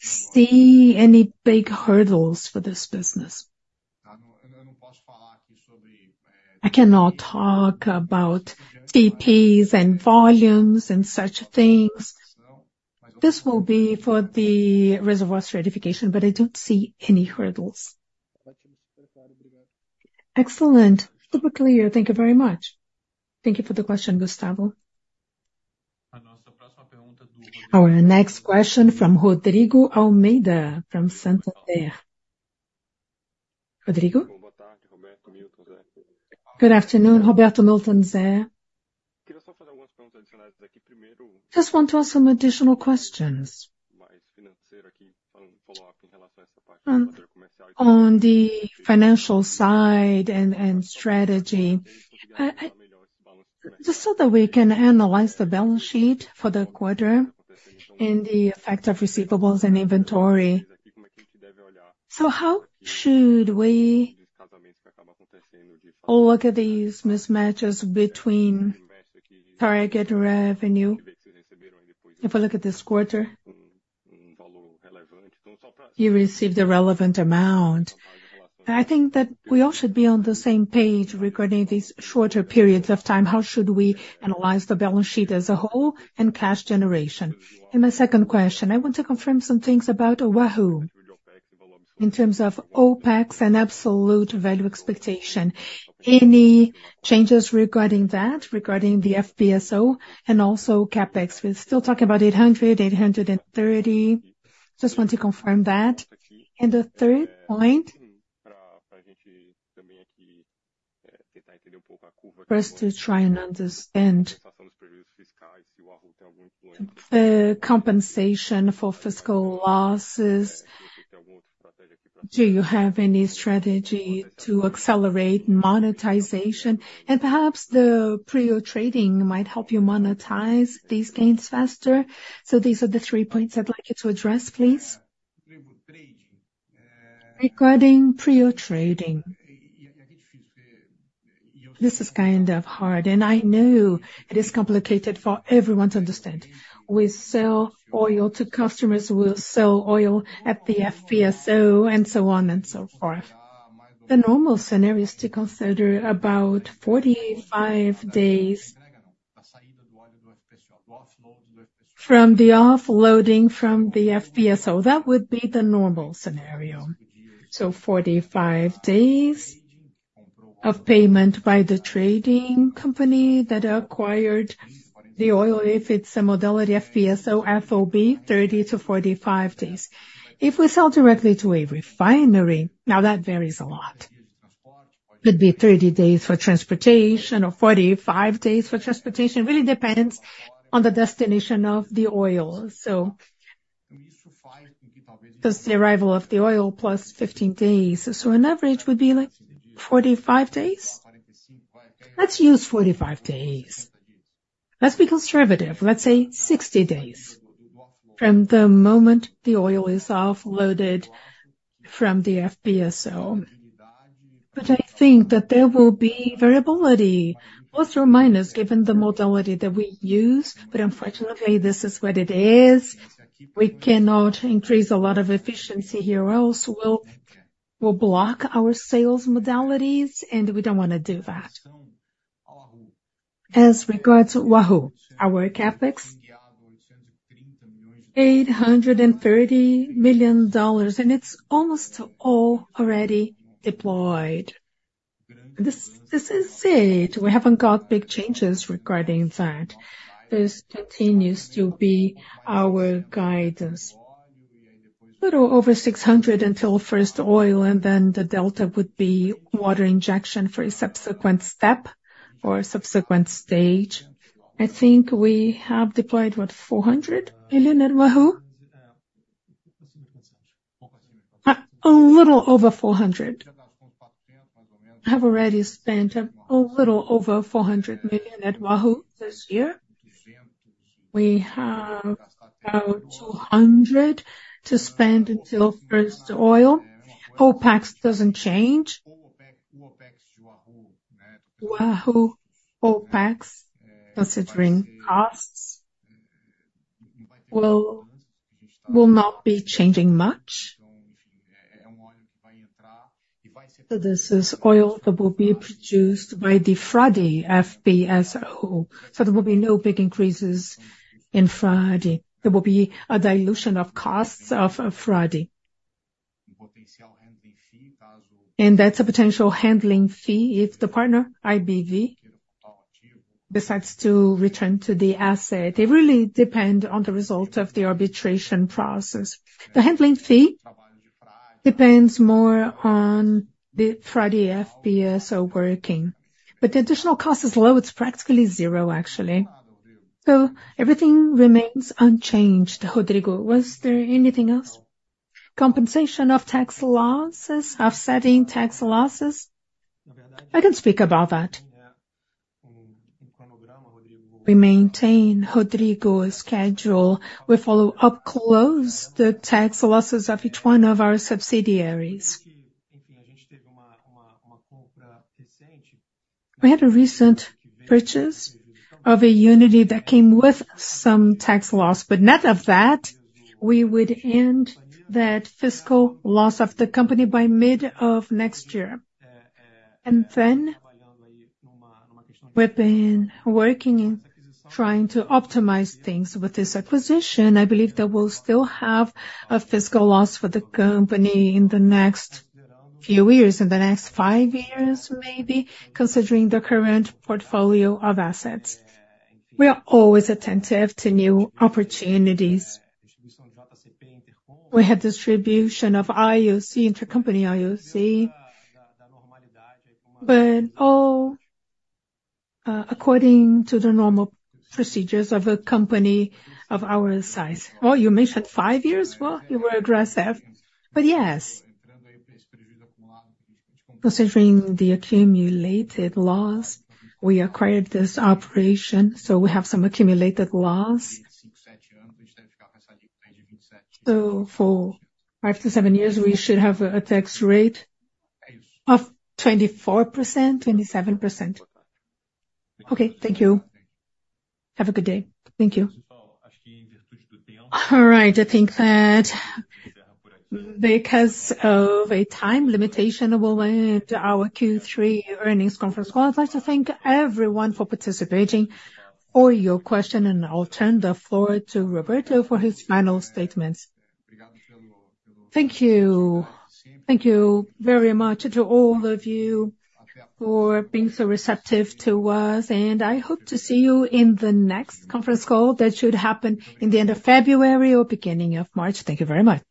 see any big hurdles for this business. I cannot talk about TPs and volumes and such things. This will be for the reservoir stratification, but I don't see any hurdles. Excellent. Super clear. Thank you very much. Thank you for the question, Gustavo. Our next question from Rodrigo Almeida, from Santander. Rodrigo? Good afternoon, Roberto, Milton, Ze. Just want to ask some additional questions. On the financial side and strategy. Just so that we can analyze the balance sheet for the quarter and the effect of receivables and inventory. So how should we all look at these mismatches between target revenue? If I look at this quarter, you received a relevant amount. I think that we all should be on the same page regarding these shorter periods of time. How should we analyze the balance sheet as a whole, and cash generation? And my second question, I want to confirm some things about Wahoo, in terms of Opex and absolute value expectation. Any changes regarding that, regarding the FPSO and also Capex? We're still talking about $800-$830. Just want to confirm that. And the third point, for us to try and understand the compensation for fiscal losses. Do you have any strategy to accelerate monetization? Perhaps the PRIO trading might help you monetize these gains faster. These are the three points I'd like you to address, please. Regarding PRIO trading, this is kind of hard, and I know it is complicated for everyone to understand. We sell oil to customers, we'll sell oil at the FPSO, and so on and so forth. The normal scenario is to consider about 45 days from the offloading from the FPSO. That would be the normal scenario. So 45 days of payment by the trading company that acquired the oil. If it's a modality FPSO FOB, 30-45 days. If we sell directly to a refinery, now, that varies a lot. Could be 30 days for transportation or 45 days for transportation. It really depends on the destination of the oil. So plus the arrival of the oil plus 15 days, so on average, would be, like, 45 days. Let's use 45 days. Let's be conservative. Let's say 60 days from the moment the oil is offloaded from the FPSO. But I think that there will be variability, plus or minus, given the modality that we use, but unfortunately, this is what it is. We cannot increase a lot of efficiency here, or else we'll, we'll block our sales modalities, and we don't want to do that. As regards to Wahoo, our Capex, $830 million, and it's almost all already deployed. This, this is it. We haven't got big changes regarding that. This continues to be our guidance. Little over 600 until first oil, and then the delta would be water injection for a subsequent step or a subsequent stage. I think we have deployed, what? $400 million at Wahoo. A little over $400 million. Have already spent a little over $400 million at Wahoo this year. We have about $200 million to spend until first oil. Opex doesn't change. Wahoo Opex, considering costs, will not be changing much. So this is oil that will be produced by the Frade FPSO. So there will be no big increases in Frade. There will be a dilution of costs of Frade. And that's a potential handling fee if the partner, BP, decides to return to the asset. It really depends on the result of the arbitration process. The handling fee depends more on the Frade FPSO working, but the additional cost is low. It's practically zero, actually. So everything remains unchanged, Rodrigo. Was there anything else? Compensation of tax losses, offsetting tax losses? I can speak about that. We maintain, Rodrigo, schedule. We follow up closely the tax losses of each one of our subsidiaries. We had a recent purchase of an entity that came with some tax loss, but net of that, we would end that tax loss of the company by mid of next year. And then, we've been working in trying to optimize things with this acquisition. I believe that we'll still have a tax loss for the company in the next few years, in the next five years, maybe, considering the current portfolio of assets. We are always attentive to new opportunities. We have distribution of IOC, intercompany IOC, but all according to the normal procedures of a company of our size. Oh, you mentioned five years? Well, you were aggressive, but yes. Considering the accumulated loss, we acquired this operation, so we have some accumulated loss. So for five to seven years, we should have a tax rate of 24%, 27%. Okay, thank you. Have a good day. Thank you. All right. I think that because of a time limitation, we'll end our Q3 earnings conference call. I'd like to thank everyone for participating, all your question, and I'll turn the floor to Roberto for his final statements. Thank you. Thank you very much to all of you for being so receptive to us, and I hope to see you in the next conference call. That should happen in the end of February or beginning of March. Thank you very much.